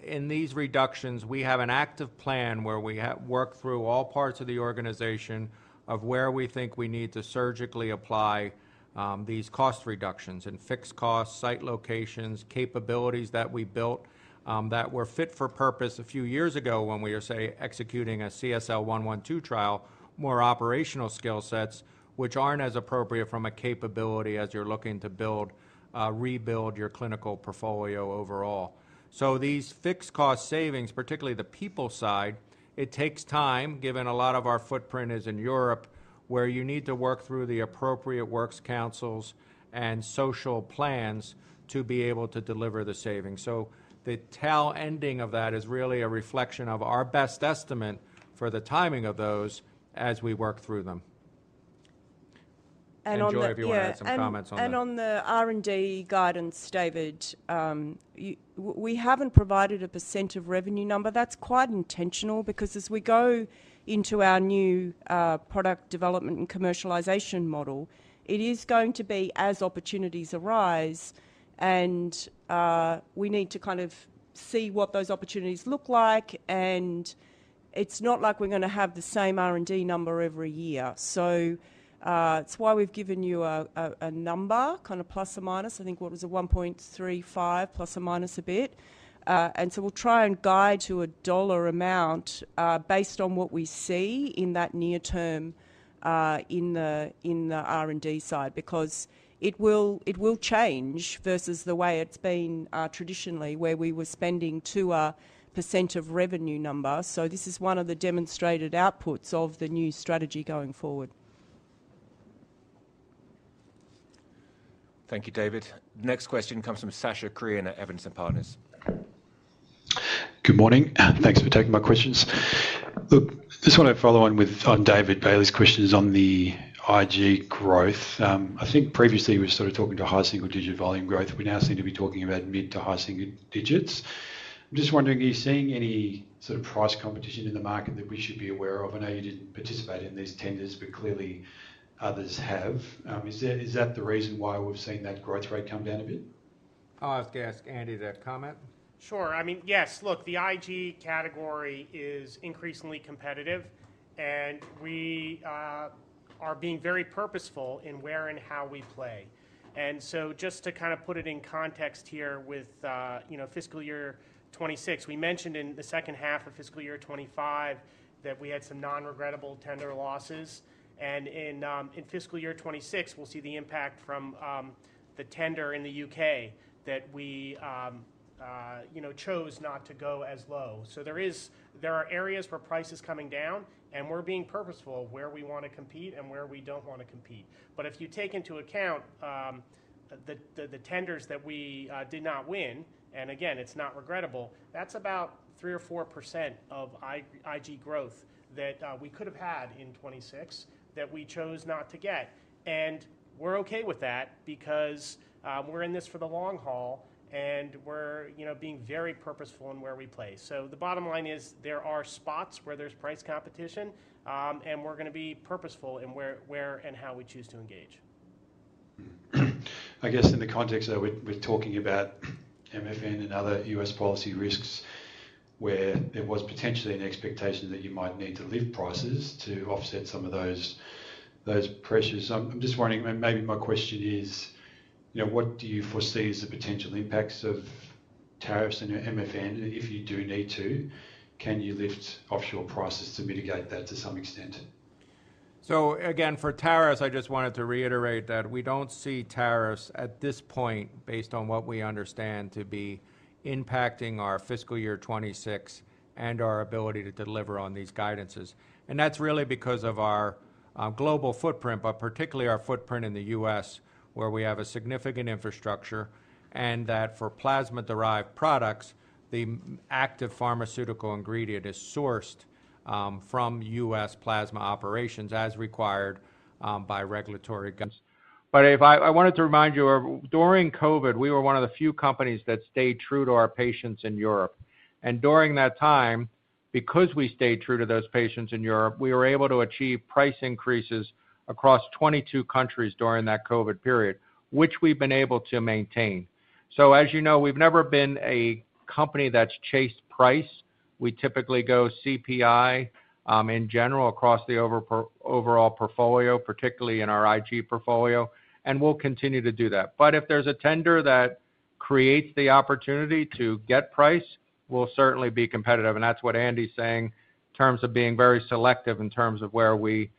Speaker 2: In these reductions, we have an active plan where we work through all parts of the organization of where we think we need to surgically apply these cost reductions in fixed costs, site locations, capabilities that we built that were fit for purpose a few years ago when we were, say, executing a CSL 112 trial, more operational skill sets, which aren't as appropriate from a capability as you're looking to build, rebuild your clinical portfolio overall. These fixed cost savings, particularly the people side, take time, given a lot of our footprint is in Europe, where you need to work through the appropriate works councils and social plans to be able to deliver the savings. The tail ending of that is really a reflection of our best estimate for the timing of those as we work through them.
Speaker 3: On the R&D guidance, David, we haven't provided a % of revenue number. That's quite intentional because as we go into our new product development and commercialization model, it is going to be as opportunities arise, and we need to kind of see what those opportunities look like. It's not like we're going to have the same R&D number every year. That's why we've given you a number, kind of plus or minus. I think what was it, $1.35 billion plus or minus a bit? We'll try and guide to a dollar amount based on what we see in that near term in the R&D side because it will change versus the way it's been traditionally where we were spending to a % of revenue number. This is one of the demonstrated outputs of the new strategy going forward.
Speaker 1: Thank you, David. The next question comes from Sacha Krien at Evans & Partners.
Speaker 9: Good morning. Thanks for taking my questions. I just want to follow on with David Bailey's questions on the Ig growth. I think previously we were sort of talking to high single-digit volume growth. We now seem to be talking about mid to high single digits. I'm just wondering, are you seeing any sort of price competition in the market that we should be aware of? I know you didn't participate in these tenders, but clearly others have. Is that the reason why we've seen that growth rate come down a bit?
Speaker 2: I'll have to ask Andy Schmeltz that comment.
Speaker 5: Sure. Yes, look, the Ig category is increasingly competitive, and we are being very purposeful in where and how we play. Just to put it in context here with fiscal year 2026, we mentioned in the second half of fiscal year 2025 that we had some non-regrettable tender losses. In fiscal year 2026, we'll see the impact from the tender in the UK that we chose not to go as low. There are areas where price is coming down, and we're being purposeful where we want to compete and where we don't want to compete. If you take into account the tenders that we did not win, and again, it's not regrettable, that's about 3% or 4% of Ig growth that we could have had in 2026 that we chose not to get. We're okay with that because we're in this for the long haul, and we're being very purposeful in where we play. The bottom line is there are spots where there's price competition, and we're going to be purposeful in where and how we choose to engage.
Speaker 9: I guess in the context of what we're talking about, MFN and other U.S. policy risks where there was potentially an expectation that you might need to lift prices to offset some of those pressures. I'm just wondering, maybe my question is, you know, what do you foresee as the potential impacts of tariffs and MFN? If you do need to, can you lift offshore prices to mitigate that to some extent?
Speaker 2: For tariffs, I just wanted to reiterate that we don't see tariffs at this point based on what we understand to be impacting our fiscal year 2026 and our ability to deliver on these guidances. That's really because of our global footprint, particularly our footprint in the U.S. where we have significant infrastructure and for plasma-derived products, the active pharmaceutical ingredient is sourced from U.S. plasma operations as required by regulatory. I wanted to remind you, during COVID, we were one of the few companies that stayed true to our patients in Europe. During that time, because we stayed true to those patients in Europe, we were able to achieve price increases across 22 countries during that COVID period, which we've been able to maintain. As you know, we've never been a company that's chased price. We typically go CPI in general across the overall portfolio, particularly in our Ig portfolio, and we'll continue to do that. If there's a tender that creates the opportunity to get price, we'll certainly be competitive. That's what Andy's saying in terms of being very selective in terms of where we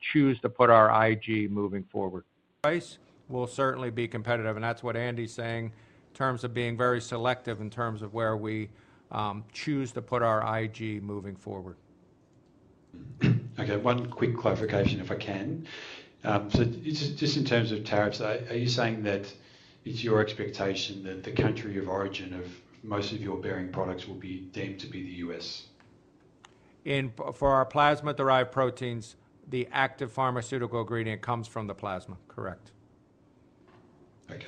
Speaker 2: choose to put our Ig moving forward. Price, we'll certainly be competitive. That's what Andy's saying in terms of being very selective in terms of where we choose to put our Ig moving forward.
Speaker 9: Okay, one quick clarification if I can. Just in terms of tariffs, are you saying that it's your expectation that the country of origin of most of your Behring products will be deemed to be the U.S.?
Speaker 2: For our plasma-derived proteins, the active pharmaceutical ingredient comes from the plasma, correct.
Speaker 9: Okay,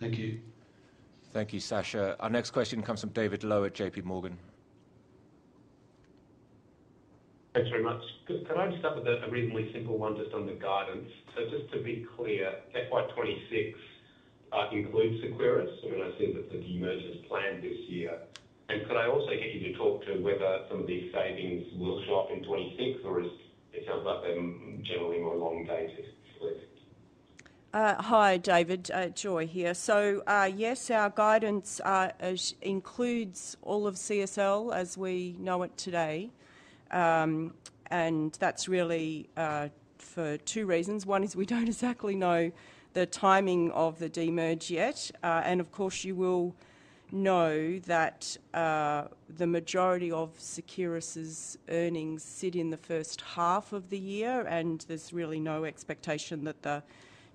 Speaker 9: thank you.
Speaker 1: Thank you, Sacha. Our next question comes from David Low at J.P. Morgan.
Speaker 10: Thanks very much. Could I just cover a reasonably simple one just on the guidance? Just to be clear, FY 2026 includes Seqirus, but I see that the demergence plan is this year. Could I also get you to talk to whether some of these savings will show up in 26, or it sounds like they're generally more long-dated?
Speaker 3: Hi, David. Joy here. Yes, our guidance includes all of CSL as we know it today. That's really for two reasons. One is we don't exactly know the timing of the demerge yet. You will know that the majority of Seqirus's earnings sit in the first half of the year, and there's really no expectation that the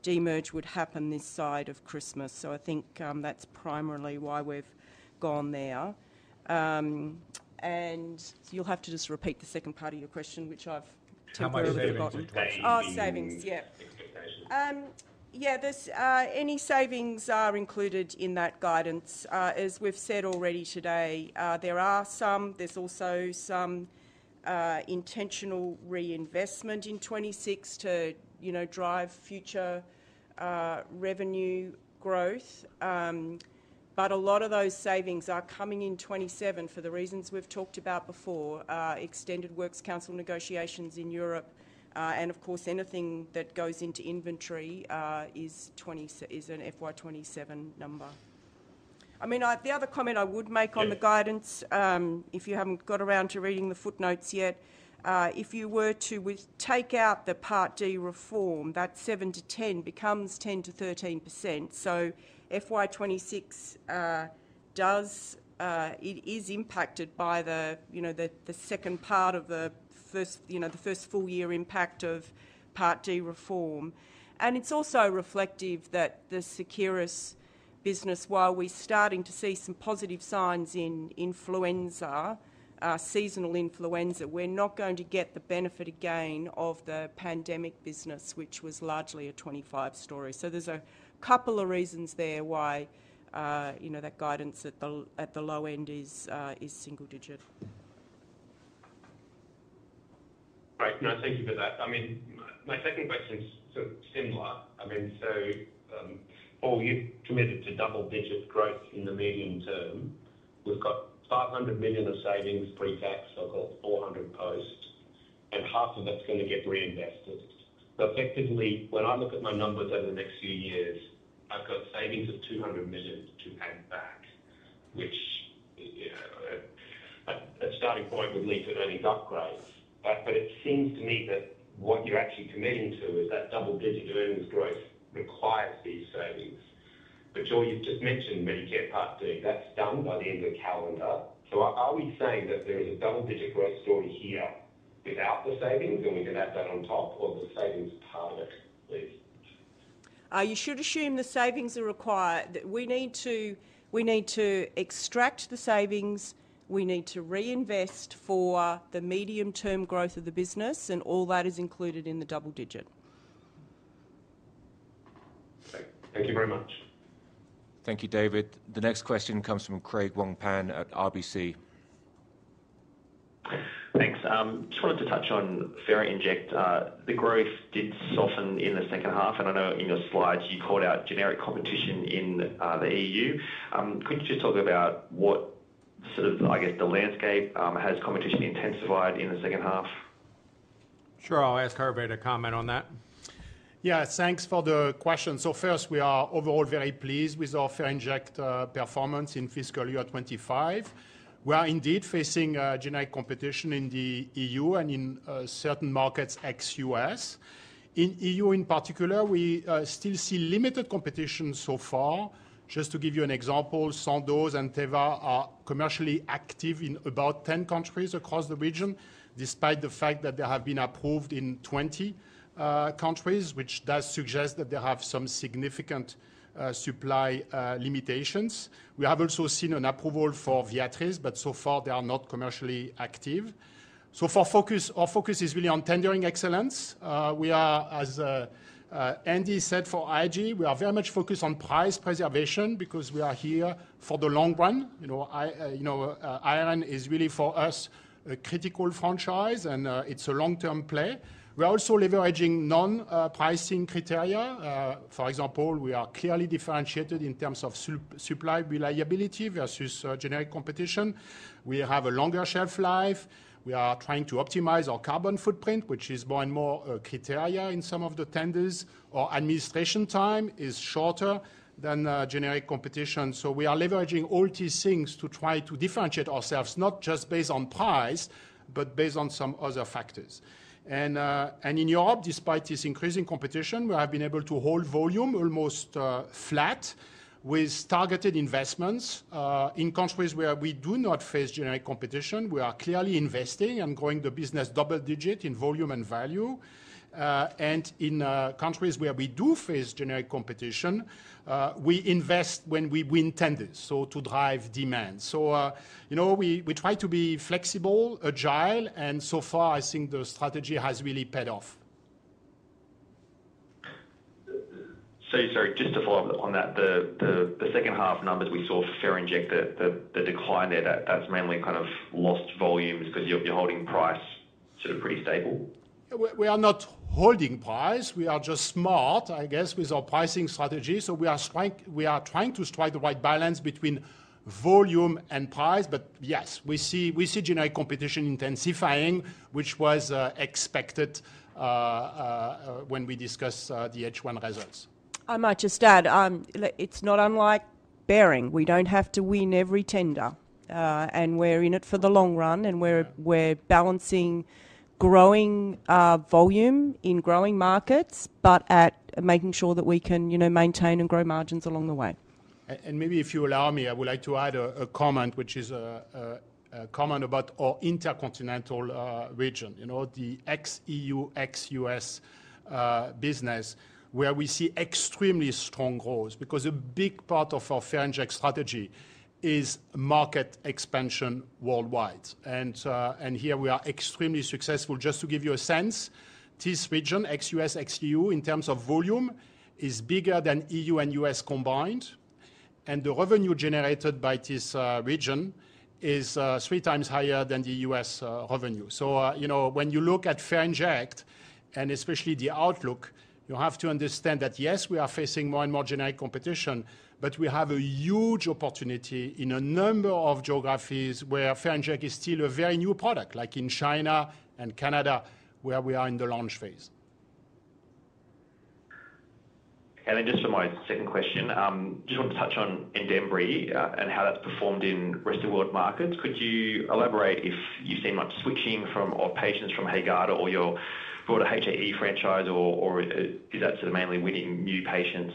Speaker 3: demerge would happen this side of Christmas. I think that's primarily why we've gone there. You'll have to just repeat the second part of your question, which I've temporarily forgotten.
Speaker 10: What's included in that guidance?
Speaker 3: Savings, yeah.
Speaker 10: Thanks for that.
Speaker 3: Yeah, any savings are included in that guidance. As we've said already today, there are some, there's also some intentional reinvestment in 2026 to, you know, drive future revenue growth. A lot of those savings are coming in 2027 for the reasons we've talked about before: extended works council negotiations in Europe, and of course, anything that goes into inventory is an FY 2027 number. The other comment I would make on the guidance, if you haven't got around to reading the footnotes yet, if you were to take out the Part D reform, that 7%-10% becomes 10%-13%. FY 2026 does, it is impacted by the, you know, the second part of the first, you know, the first full-year impact of Part D reform. It's also reflective that the CSL Seqirus business, while we're starting to see some positive signs in influenza, seasonal influenza, we're not going to get the benefit again of the pandemic business, which was largely a 2025 story. There are a couple of reasons there why, you know, that guidance at the low end is single-digit.
Speaker 10: Right. No, thank you for that. My second question is sort of similar. Paul, you've committed to double-digit growth in the medium term. We've got $500 million of savings pre-tax, so I call it $400 million post, and half of it's going to get reinvested. Effectively, when I look at my numbers over the next few years, I've got savings of $200 million to add back, which, you know, a starting point would lead to an earnings upgrade. It seems to me that what you're actually committing to is that double-digit earnings growth requires these savings. Joy, you've just mentioned Medicare Part D. That's done by the end of the calendar. Are we saying that there is a double-digit growth story here without the savings, and we can add that on top, or is the savings part of it?
Speaker 3: You should assume the savings are required. We need to extract the savings. We need to reinvest for the medium-term growth of the business, and all that is included in the double digit.
Speaker 10: Thank you very much.
Speaker 1: Thank you, David. The next question comes from Craig Wong-Pan at RBC Capital Markets.
Speaker 11: Thanks. I just wanted to touch on Ferinject. The growth did soften in the second half, and I know in your slides, you called out generic competition in the EU. Could you just talk about what the sort of, I guess, the landscape has competition intensified in the second half?
Speaker 2: Sure, I'll ask Hervé Gisserot to comment on that.
Speaker 12: Yeah, thanks for the question. First, we are overall very pleased with our Ferinject performance in fiscal year 2025. We are indeed facing generic competition in the EU and in certain markets ex-U.S. In the EU in particular, we still see limited competition so far. Just to give you an example, Sandoz and Teva are commercially active in about 10 countries across the region, despite the fact that they have been approved in 20 countries, which does suggest that they have some significant supply limitations. We have also seen an approval for Viatris, but so far, they are not commercially active. Our focus is really on tendering excellence. As Andy said, for Ig, we are very much focused on price preservation because we are here for the long run. Iron is really for us a critical franchise, and it's a long-term play. We're also leveraging non-pricing criteria. For example, we are clearly differentiated in terms of supply reliability versus generic competition. We have a longer shelf life. We are trying to optimize our carbon footprint, which is more and more a criterion in some of the tenders, or administration time is shorter than generic competition. We are leveraging all these things to try to differentiate ourselves, not just based on price, but based on some other factors. In Europe, despite this increasing competition, we have been able to hold volume almost flat with targeted investments. In countries where we do not face generic competition, we are clearly investing and growing the business double digit in volume and value. In countries where we do face generic competition, we invest when we win tenders to drive demand. We try to be flexible, agile, and so far, I think the strategy has really paid off.
Speaker 11: Sorry, just to follow up on that, the second half numbers we saw for Ferinject, the decline there, that's mainly kind of lost volume because you're holding price sort of pretty stable?
Speaker 12: We are not holding price. We are just smart, I guess, with our pricing strategy. We are trying to strike the right balance between volume and price, but yes, we see generic competition intensifying, which was expected when we discussed the H1 results.
Speaker 3: I might just add, it's not unlike Behring. We don't have to win every tender, and we're in it for the long run, and we're balancing growing volume in growing markets, but making sure that we can, you know, maintain and grow margins along the way.
Speaker 12: Maybe if you allow me, I would like to add a comment, which is a comment about our intercontinental region, you know, the ex-EU, ex-U.S. business, where we see extremely strong growth because a big part of our Ferinject strategy is market expansion worldwide. We are extremely successful. Just to give you a sense, this region, ex-U.S., ex-EU, in terms of volume, is bigger than EU and U.S. combined, and the revenue generated by this region is three times higher than the U.S. revenue. When you look at Ferinject, and especially the outlook, you have to understand that yes, we are facing more and more generic competition, but we have a huge opportunity in a number of geographies where Ferinject is still a very new product, like in China and Canada, where we are in the launch phase.
Speaker 11: For my second question, I just want to touch on Andembry and how that's performed in the rest of the world markets. Could you elaborate if you've seen much switching from our patients from HAEGARDA or your broader HAE franchise, or is that sort of mainly winning new patients?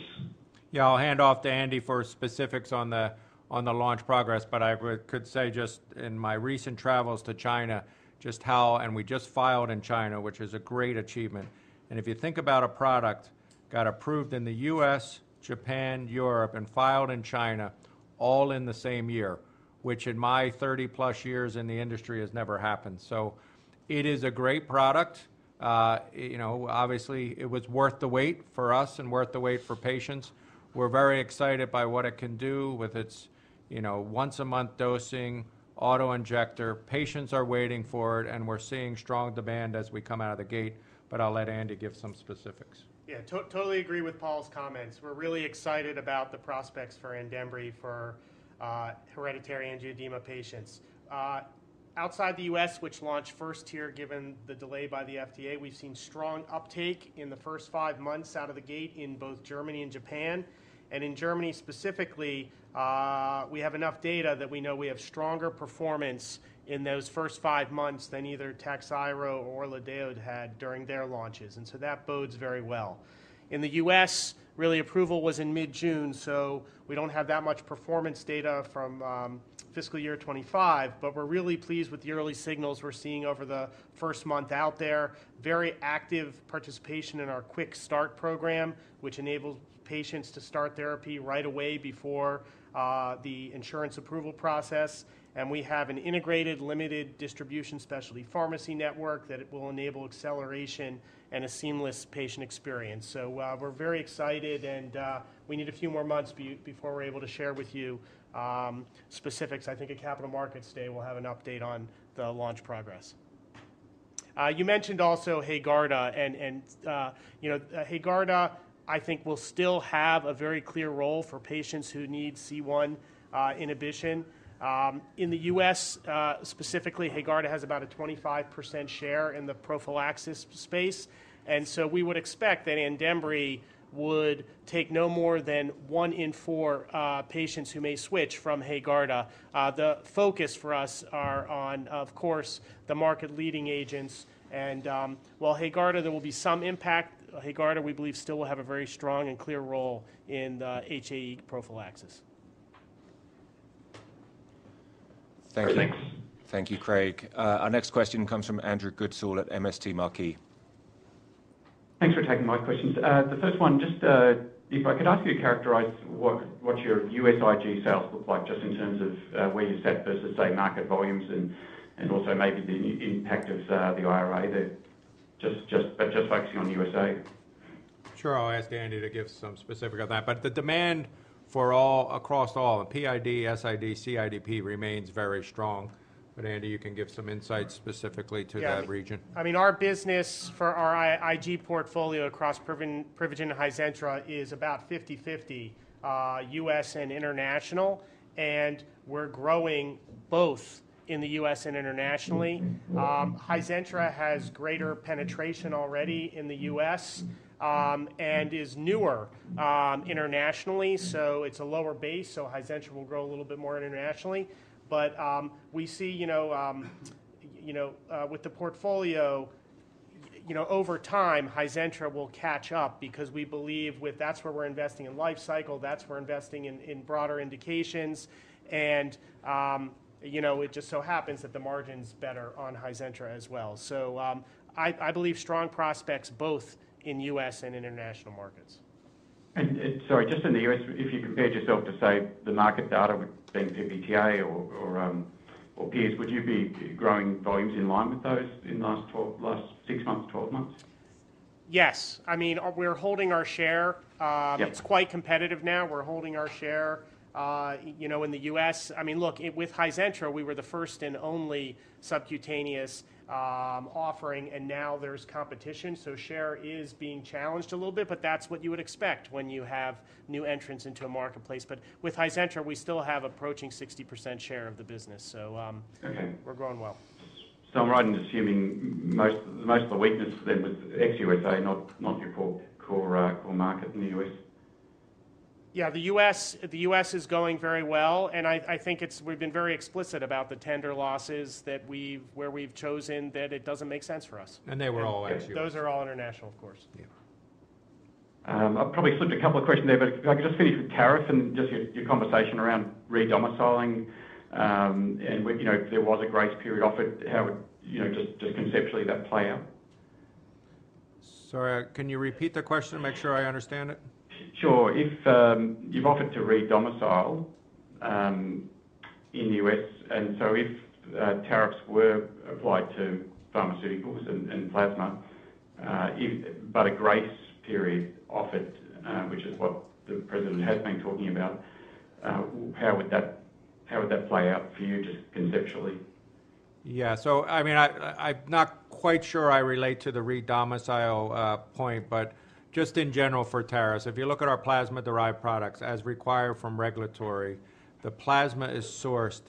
Speaker 2: Yeah, I'll hand off to Andy for specifics on the launch progress. I could say just in my recent travels to China, just how, and we just filed in China, which is a great achievement. If you think about a product got approved in the U.S., Japan, Europe, and filed in China, all in the same year, which in my 30-plus years in the industry has never happened. It is a great product. You know, obviously, it was worth the wait for us and worth the wait for patients. We're very excited by what it can do with its, you know, once-a-month dosing, autoinjector. Patients are waiting for it, and we're seeing strong demand as we come out of the gate. I'll let Andy give some specifics.
Speaker 5: Yeah, totally agree with Paul's comments. We're really excited about the prospects for Andembry for hereditary angioedema patients. Outside the U.S., which launched first tier given the delay by the FDA, we've seen strong uptake in the first five months out of the gate in both Germany and Japan. In Germany specifically, we have enough data that we know we have stronger performance in those first five months than either Takhzyro or Lanadelumab had during their launches. That bodes very well. In the U.S., approval was in mid-June, so we don't have that much performance data from fiscal year 2025, but we're really pleased with the early signals we're seeing over the first month out there. Very active participation in our Quick Start program, which enables patients to start therapy right away before the insurance approval process. We have an integrated limited distribution specialty pharmacy network that will enable acceleration and a seamless patient experience. We're very excited, and we need a few more months before we're able to share with you specifics. I think at Capital Markets Day, we'll have an update on the launch progress. You mentioned also HAEGARDADA, and HAEGARDADA, I think, will still have a very clear role for patients who need C1 inhibition. In the U.S. specifically, HAEGARDADA has about a 25% share in the prophylaxis space. We would expect that Andembry would take no more than one in four patients who may switch from HAEGARDADA. The focus for us is on, of course, the market leading agents. While HAEGARDADA, there will be some impact, HAEGARDADA, we believe, still will have a very strong and clear role in the HAE prophylaxis.
Speaker 11: Thanks, Andy.
Speaker 1: Thank you, Craig. Our next question comes from Andrew Goodsall at MST Marquee.
Speaker 13: Thanks for taking my questions. The first one, just if I could ask you to characterize what your U.S. Ig sales look like, just in terms of where you sit versus, say, market volumes and also maybe the impact of the IRA there, just focusing on the U.S.
Speaker 2: Sure, I'll ask Andy to give some specifics on that. The demand across all, PID, SID, CIDP remains very strong. Andy, you can give some insights specifically to that region.
Speaker 5: Yeah, I mean, our business for our Ig portfolio across Privigen and Hizentra is about 50/50 U.S. and international, and we're growing both in the U.S. and internationally. Hizentra has greater penetration already in the U.S. and is newer internationally, so it's a lower base, so Hizentra will grow a little bit more internationally. We see, you know, with the portfolio, you know, over time, Hizentra will catch up because we believe that's where we're investing in lifecycle, that's where we're investing in broader indications, and it just so happens that the margin is better on Hizentra as well. I believe strong prospects both in U.S. and international markets.
Speaker 13: Sorry, just in the US, if you compare just opposite the market data with Bengt, Privigen, or Hizentra, would you be growing volumes in line with those in the last six months, 12 months?
Speaker 5: Yes, I mean, we're holding our share. It's quite competitive now. We're holding our share, you know, in the U.S. I mean, look, with Hizentra, we were the first and only subcutaneous offering, and now there's competition, so share is being challenged a little bit. That's what you would expect when you have new entrants into a marketplace. With Hizentra, we still have approaching 60% share of the business, so we're growing well.
Speaker 13: I'm right in assuming most of the weakness then was ex-U.S., not your core market in the U.S.?
Speaker 5: Yeah, the U.S. is going very well, and I think we've been very explicit about the tender losses that we've chosen, that it doesn't make sense for us.
Speaker 13: They were all ex-U.S.
Speaker 5: Those are all international, of course.
Speaker 13: I've probably slipped a couple of questions there, but if I could just finish with tariff and your conversation around re-domiciling and what, you know, if there was a grace period offered, how would, you know, just conceptually that play out?
Speaker 2: Sorry, can you repeat the question to make sure I understand it?
Speaker 13: Sure. If you've offered to re-domicile in the U.S., and if tariffs were applied to pharmaceuticals and plasma, but a grace period offered, which is what the president has been talking about, how would that play out for you just conceptually?
Speaker 2: I'm not quite sure I relate to the re-domicile point, but just in general for tariffs, if you look at our plasma-derived products, as required from regulatory, the plasma is sourced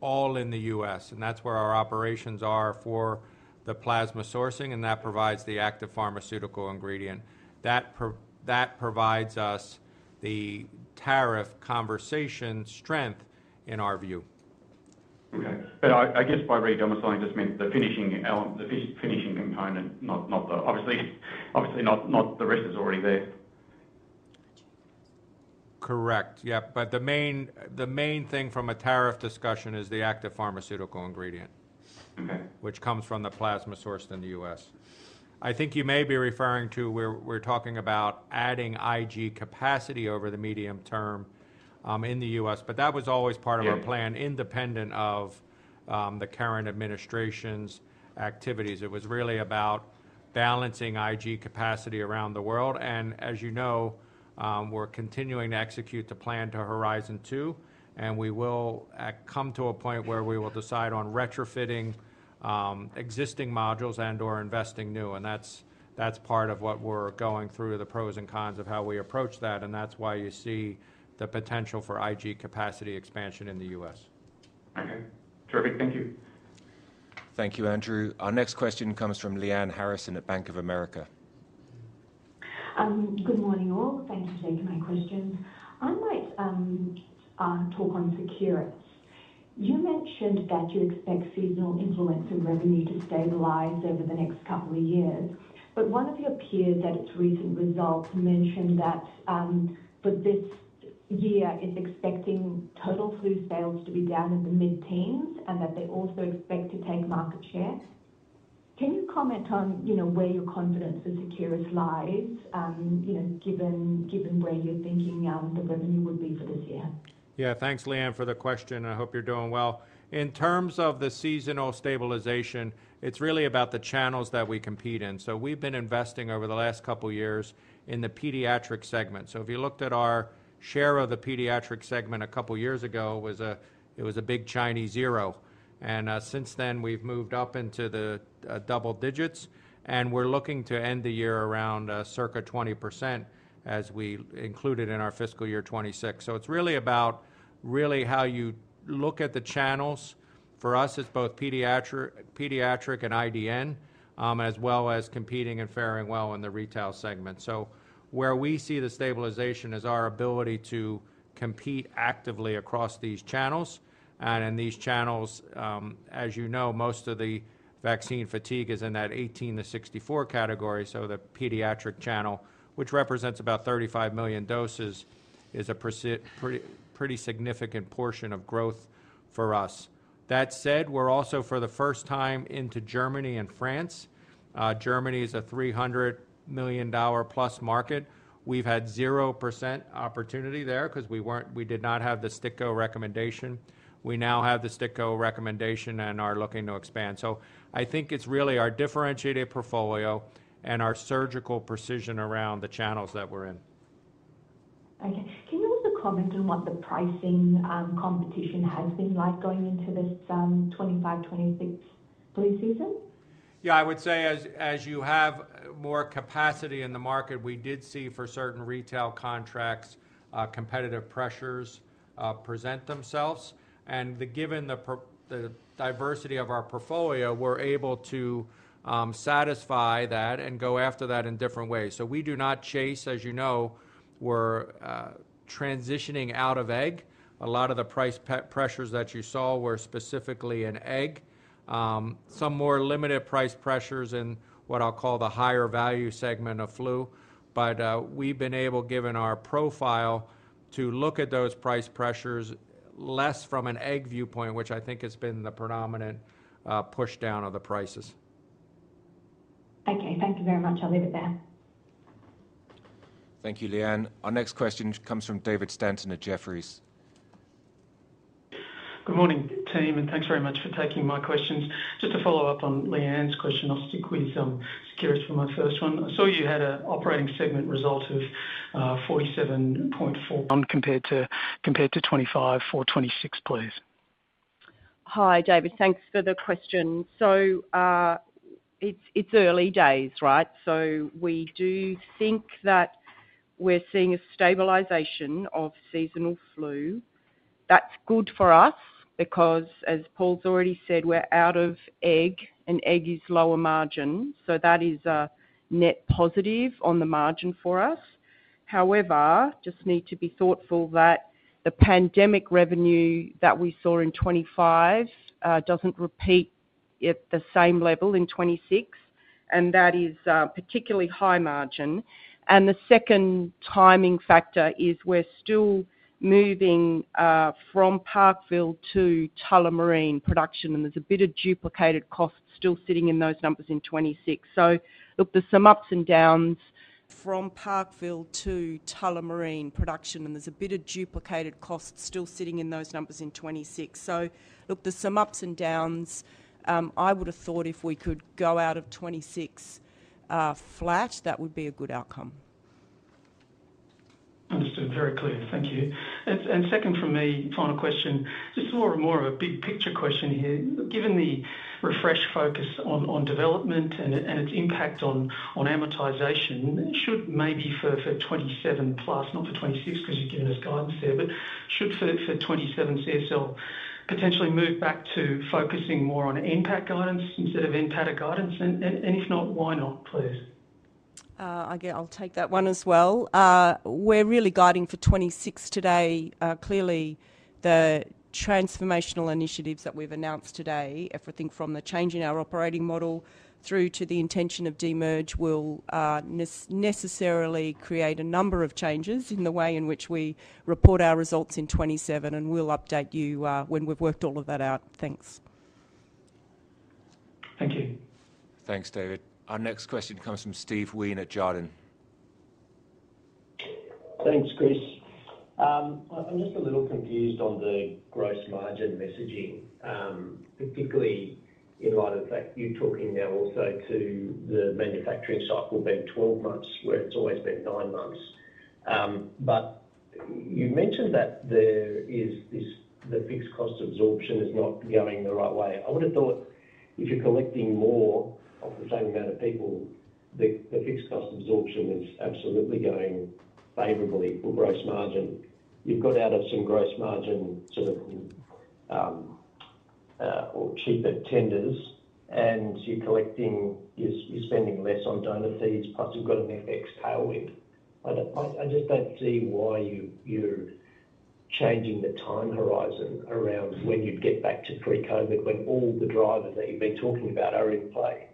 Speaker 2: all in the U.S., and that's where our operations are for the plasma sourcing, and that provides the active pharmaceutical ingredient. That provides us the tariff conversation strength in our view.
Speaker 13: Okay. By re-domiciling, I just mean the finishing element, the finishing component, obviously not the rest is already there.
Speaker 2: Correct. Yeah. The main thing from a tariff discussion is the active pharmaceutical ingredient, which comes from the plasma source in the U.S. I think you may be referring to where we're talking about adding Ig capacity over the medium term in the U.S., but that was always part of our plan independent of the current administration's activities. It was really about balancing Ig capacity around the world. As you know, we're continuing to execute the plan to Horizon 2, and we will come to a point where we will decide on retrofitting existing modules and/or investing new. That's part of what we're going through, the pros and cons of how we approach that. That's why you see the potential for Ig capacity expansion in the U.S.
Speaker 13: Okay. Terrific. Thank you.
Speaker 1: Thank you, Andrew. Our next question comes from Lyanne Harrison at Bank of America.
Speaker 14: Good morning all. Thanks for taking my questions. I might talk on Seqirus. You mentioned that you expect seasonal influence in revenue to stabilize over the next couple of years, but one of your peers at its recent results mentioned that for this year, it's expecting total flu sales to be down in the mid-teens and that they also expect to take market share. Can you comment on where your confidence for Seqirus lies, given where you're thinking the revenue would be for this year?
Speaker 2: Yeah. Thanks, Lyanne, for the question. I hope you're doing well. In terms of the seasonal stabilization, it's really about the channels that we compete in. We've been investing over the last couple of years in the pediatric segment. If you looked at our share of the pediatric segment a couple of years ago, it was a big Chinese zero. Since then, we've moved up into the double digits, and we're looking to end the year around circa 20% as we included in our fiscal year 2026. It's really about how you look at the channels. For us, it's both pediatric and IDN, as well as competing and faring well in the retail segment. Where we see the stabilization is our ability to compete actively across these channels. In these channels, as you know, most of the vaccine fatigue is in that 18 to 64 category. The pediatric channel, which represents about 35 million doses, is a pretty significant portion of growth for us. That said, we're also for the first time into Germany and France. Germany is a $300 million plus market. We've had 0% opportunity there because we did not have the STIKO recommendation. We now have the STIKO recommendation and are looking to expand. I think it's really our differentiated portfolio and our surgical precision around the channels that we're in.
Speaker 14: Okay. Can you also comment on what the pricing competition has been like going into this 2025-2026 flu season?
Speaker 2: I would say as you have more capacity in the market, we did see for certain retail contracts, competitive pressures present themselves. Given the diversity of our portfolio, we're able to satisfy that and go after that in different ways. We do not chase, as you know, we're transitioning out of egg. A lot of the price pressures that you saw were specifically in egg, some more limited price pressures in what I'll call the higher value segment of flu. We've been able, given our profile, to look at those price pressures less from an egg viewpoint, which I think has been the predominant push down of the prices.
Speaker 14: Okay, thank you very much. I'll leave it there.
Speaker 1: Thank you, Leanne. Our next question comes from David Stanton at Jefferies.
Speaker 15: Good morning, team, and thanks very much for taking my questions. Just to follow up on Leanne's question, I'll stick with securities for my first one. I saw you had an operating segment result of 47.4% compared to 2025 for 2026, please.
Speaker 3: Hi, David. Thanks for the question. It's early days, right? We do think that we're seeing a stabilization of seasonal flu. That's good for us because, as Paul has already said, we're out of egg and egg is lower margin. That is a net positive on the margin for us. However, I just need to be thoughtful that the pandemic revenue that we saw in 2025 doesn't repeat at the same level in 2026, and that is a particularly high margin. The second timing factor is we're still moving from Parkville to Tullamarine production, and there's a bit of duplicated cost still sitting in those numbers in 2026. There's some ups and downs from Parkville to Tullamarine production, and there's a bit of duplicated cost still sitting in those numbers in 2026. I would have thought if we could go out of 2026 flat, that would be a good outcome.
Speaker 15: Understood. Very clear. Thank you. Second from me, final question, just more of a big-picture question here. Given the refreshed focus on development and its impact on amortization, should maybe for 2027 plus, not for 2026, because you've given us guidance there, should for 2027 CSL potentially move back to focusing more on NPAT guidance instead of NPATA guidance? If not, why not, please?
Speaker 3: Again, I'll take that one as well. We're really guiding for 2026 today. Clearly, the transformational initiatives that we've announced today, everything from the change in our operating model through to the intention of demerge, will necessarily create a number of changes in the way in which we report our results in 2027, and we'll update you when we've worked all of that out. Thanks.
Speaker 1: Thanks, David. Our next question comes from Steve Wheen at Jarden.
Speaker 16: Thanks, Chris. I'm just a little confused on the gross margin messaging, particularly in light of the fact that you're talking now also to the manufacturing cycle being 12 months, where it's always been 9 months. You mentioned that the fixed cost absorption is not going the right way. I would have thought if you're collecting more of the same amount of people, the fixed cost absorption is absolutely going favorably for gross margin. You've got out of some gross margin sort of or cheaper tenders, and you're spending less on donor fees, plus you've got an FX tailwind. I just don't see why you're changing the time horizon around when you get back to pre-COVID when all the drivers that you've been talking about are in play.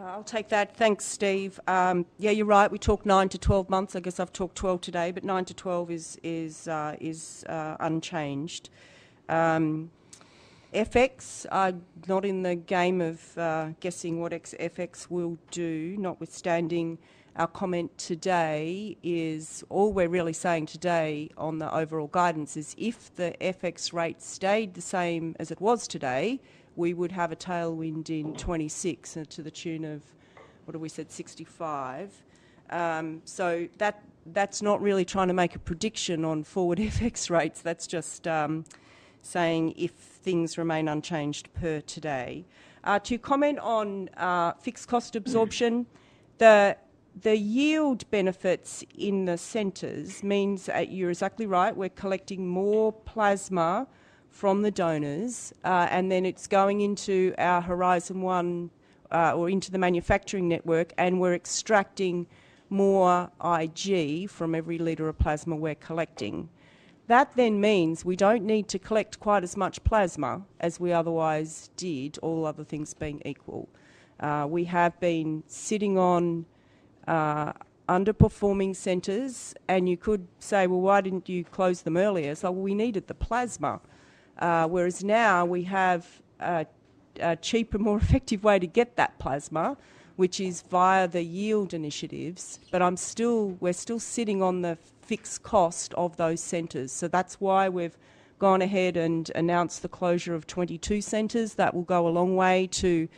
Speaker 3: I'll take that. Thanks, Steve. Yeah, you're right. We talk 9 to 12 months. I guess I've talked 12 today, but 9 to 12 is unchanged. FX, I'm not in the game of guessing what FX will do, notwithstanding our comment today is all we're really saying today on the overall guidance is if the FX rate stayed the same as it was today, we would have a tailwind in 2026 to the tune of, what did we say, $65 million. That's not really trying to make a prediction on forward FX rates. That's just saying if things remain unchanged per today. To comment on fixed cost absorption, the yield benefits in the centers means that you're exactly right. We're collecting more plasma from the donors, and then it's going into our Horizon 1 or into the manufacturing network, and we're extracting more Ig from every liter of plasma we're collecting. That then means we don't need to collect quite as much plasma as we otherwise did, all other things being equal. We have been sitting on underperforming U.S. plasma centers, and you could say, "Why didn't you close them earlier?" We needed the plasma. Whereas now we have a cheaper, more effective way to get that plasma, which is via the yield initiatives. We're still sitting on the fixed cost of those centers. That's why we've gone ahead and announced the closure of 22 centers. That will go a long way to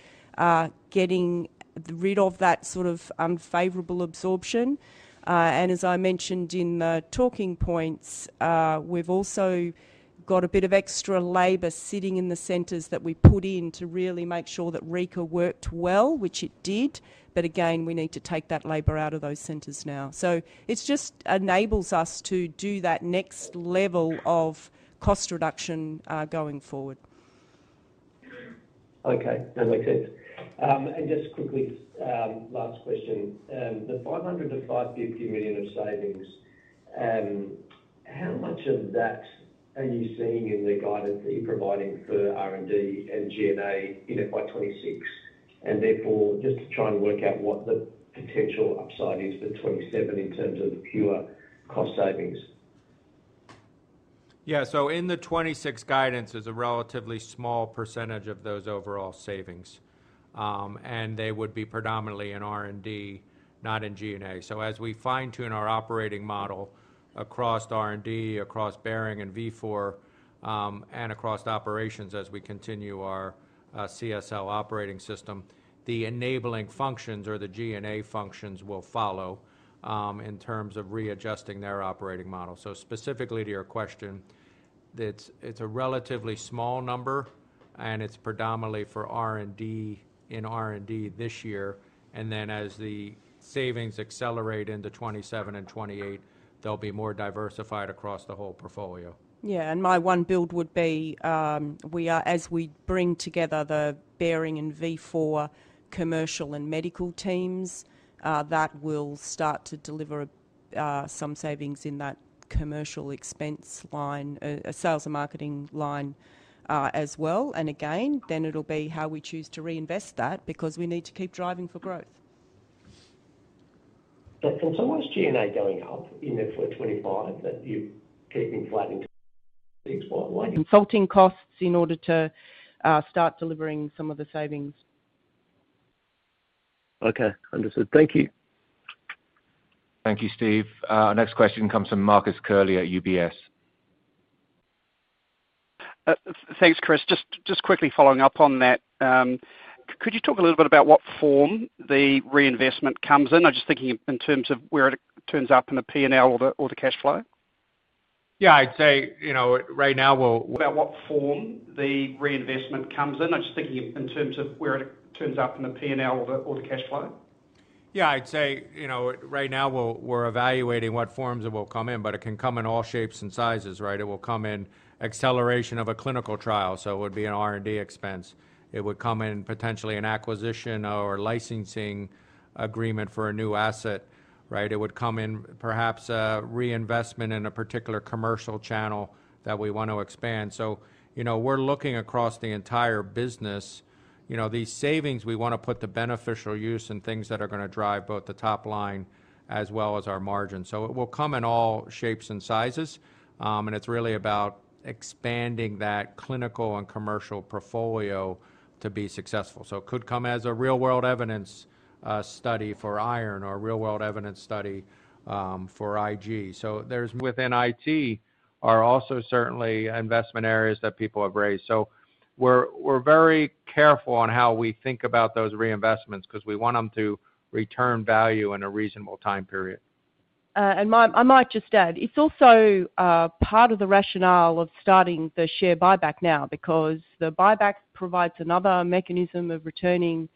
Speaker 3: getting rid of that sort of unfavorable absorption. As I mentioned in the talking points, we've also got a bit of extra labor sitting in the centers that we put in to really make sure that RECA worked well, which it did. Again, we need to take that labor out of those centers now. It just enables us to do that next level of cost reduction going forward.
Speaker 16: Okay. That makes sense. Just quickly, last question. The $550 million of savings, how much of that are you seeing in the guidance that you're providing for R&D and G&A in fiscal 2026? Therefore, just to try and work out what the potential upside is for 2027 in terms of pure cost savings.
Speaker 2: Yeah. In the 2026 guidance, there's a relatively small % of those overall savings, and they would be predominantly in R&D, not in G&A. As we fine-tune our operating model across R&D, across Behring and Vifor, and across operations as we continue our CSL operating system, the enabling functions or the G&A functions will follow in terms of readjusting their operating model. Specifically to your question, it's a relatively small number, and it's predominantly for R&D in R&D this year. As the savings accelerate into 2027 and 2028, they'll be more diversified across the whole portfolio.
Speaker 3: Yeah. My one build would be, as we bring together the Behring and Vifor commercial and medical teams, that will start to deliver some savings in that commercial expense line, a sales and marketing line as well. It will be how we choose to reinvest that because we need to keep driving for growth.
Speaker 16: Right. Why is G&A going up in there for 2025 that you're keeping flat in 2026? Why?
Speaker 3: Consulting costs in order to start delivering some of the savings.
Speaker 16: Okay. Understood. Thank you.
Speaker 1: Thank you, Steve. Our next question comes from Marcus Curley at UBS.
Speaker 17: Thanks, Chris. Just quickly following up on that, could you talk a little bit about what form the reinvestment comes in? I'm just thinking in terms of where it turns up in the P&L or the cash flow.
Speaker 2: Yeah, I'd say, you know, right now we'll.
Speaker 17: About what form the reinvestment comes in? I'm just thinking in terms of where it turns up in the P&L or the cash flow.
Speaker 2: I'd say, right now, we're evaluating what forms it will come in, but it can come in all shapes and sizes, right? It will come in acceleration of a clinical trial, so it would be an R&D expense. It would come in potentially an acquisition or a licensing agreement for a new asset, right? It would come in perhaps a reinvestment in a particular commercial channel that we want to expand. We're looking across the entire business. These savings, we want to put to beneficial use and things that are going to drive both the top line as well as our margins. It will come in all shapes and sizes, and it's really about expanding that clinical and commercial portfolio to be successful. It could come as a real-world evidence study for iron or a real-world evidence study for Ig. Within IT are also certainly investment areas that people have raised. We're very careful on how we think about those reinvestments because we want them to return value in a reasonable time period.
Speaker 3: It is also part of the rationale of starting the share buyback now because the buyback provides another mechanism of returning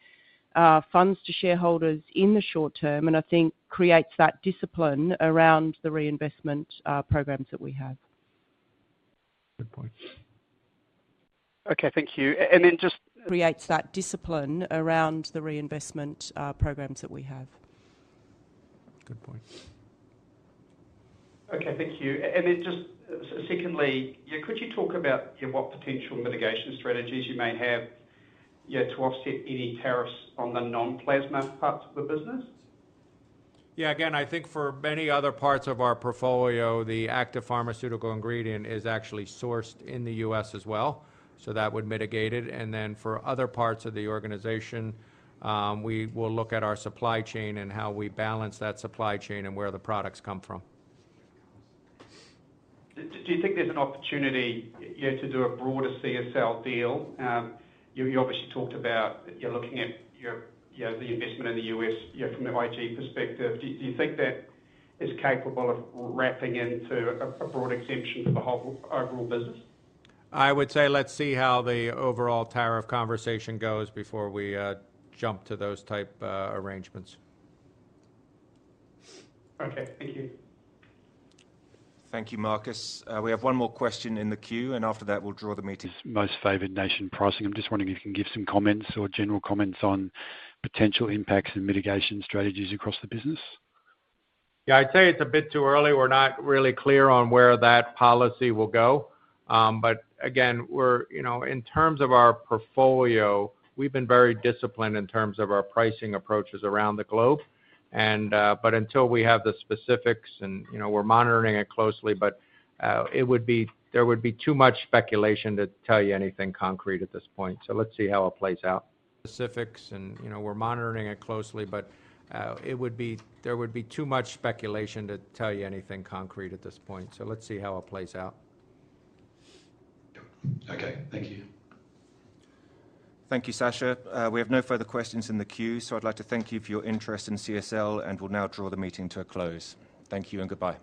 Speaker 3: funds to shareholders in the short term, and I think creates that discipline around the reinvestment programs that we have.
Speaker 17: Good point. Thank you. And then just.
Speaker 3: Creates that discipline around the reinvestment programs that we have.
Speaker 17: Good point. Okay. Thank you. Could you talk about what potential mitigation strategies you may have to offset any tariffs on the non-plasma parts of the business?
Speaker 2: Yeah. I think for many other parts of our portfolio, the active pharmaceutical ingredient is actually sourced in the U.S. as well. That would mitigate it. For other parts of the organization, we will look at our supply chain and how we balance that supply chain and where the products come from.
Speaker 17: Do you think there's an opportunity to do a broader CSL deal? You obviously talked about you're looking at the investment in the U.S. from the Ig perspective. Do you think that is capable of wrapping into a broad exemption for the whole overall business?
Speaker 2: I would say let's see how the overall tariff conversation goes before we jump to those type arrangements.
Speaker 17: Okay, thank you.
Speaker 1: Thank you, Marcus. We have one more question in the queue, and after that, we'll draw the meeting to a close.
Speaker 9: Most favored nation pricing. I'm just wondering if you can give some comments or general comments on potential impacts and mitigation strategies across the business.
Speaker 2: I'd say it's a bit too early. We're not really clear on where that policy will go. In terms of our portfolio, we've been very disciplined in terms of our pricing approaches around the globe. Until we have the specifics, we're monitoring it closely. It would be too much speculation to tell you anything concrete at this point. Let's see how it plays out.
Speaker 9: Okay, thank you.
Speaker 1: Thank you, Sacha. We have no further questions in the queue. I'd like to thank you for your interest in CSL, and we'll now draw the meeting to a close. Thank you and goodbye.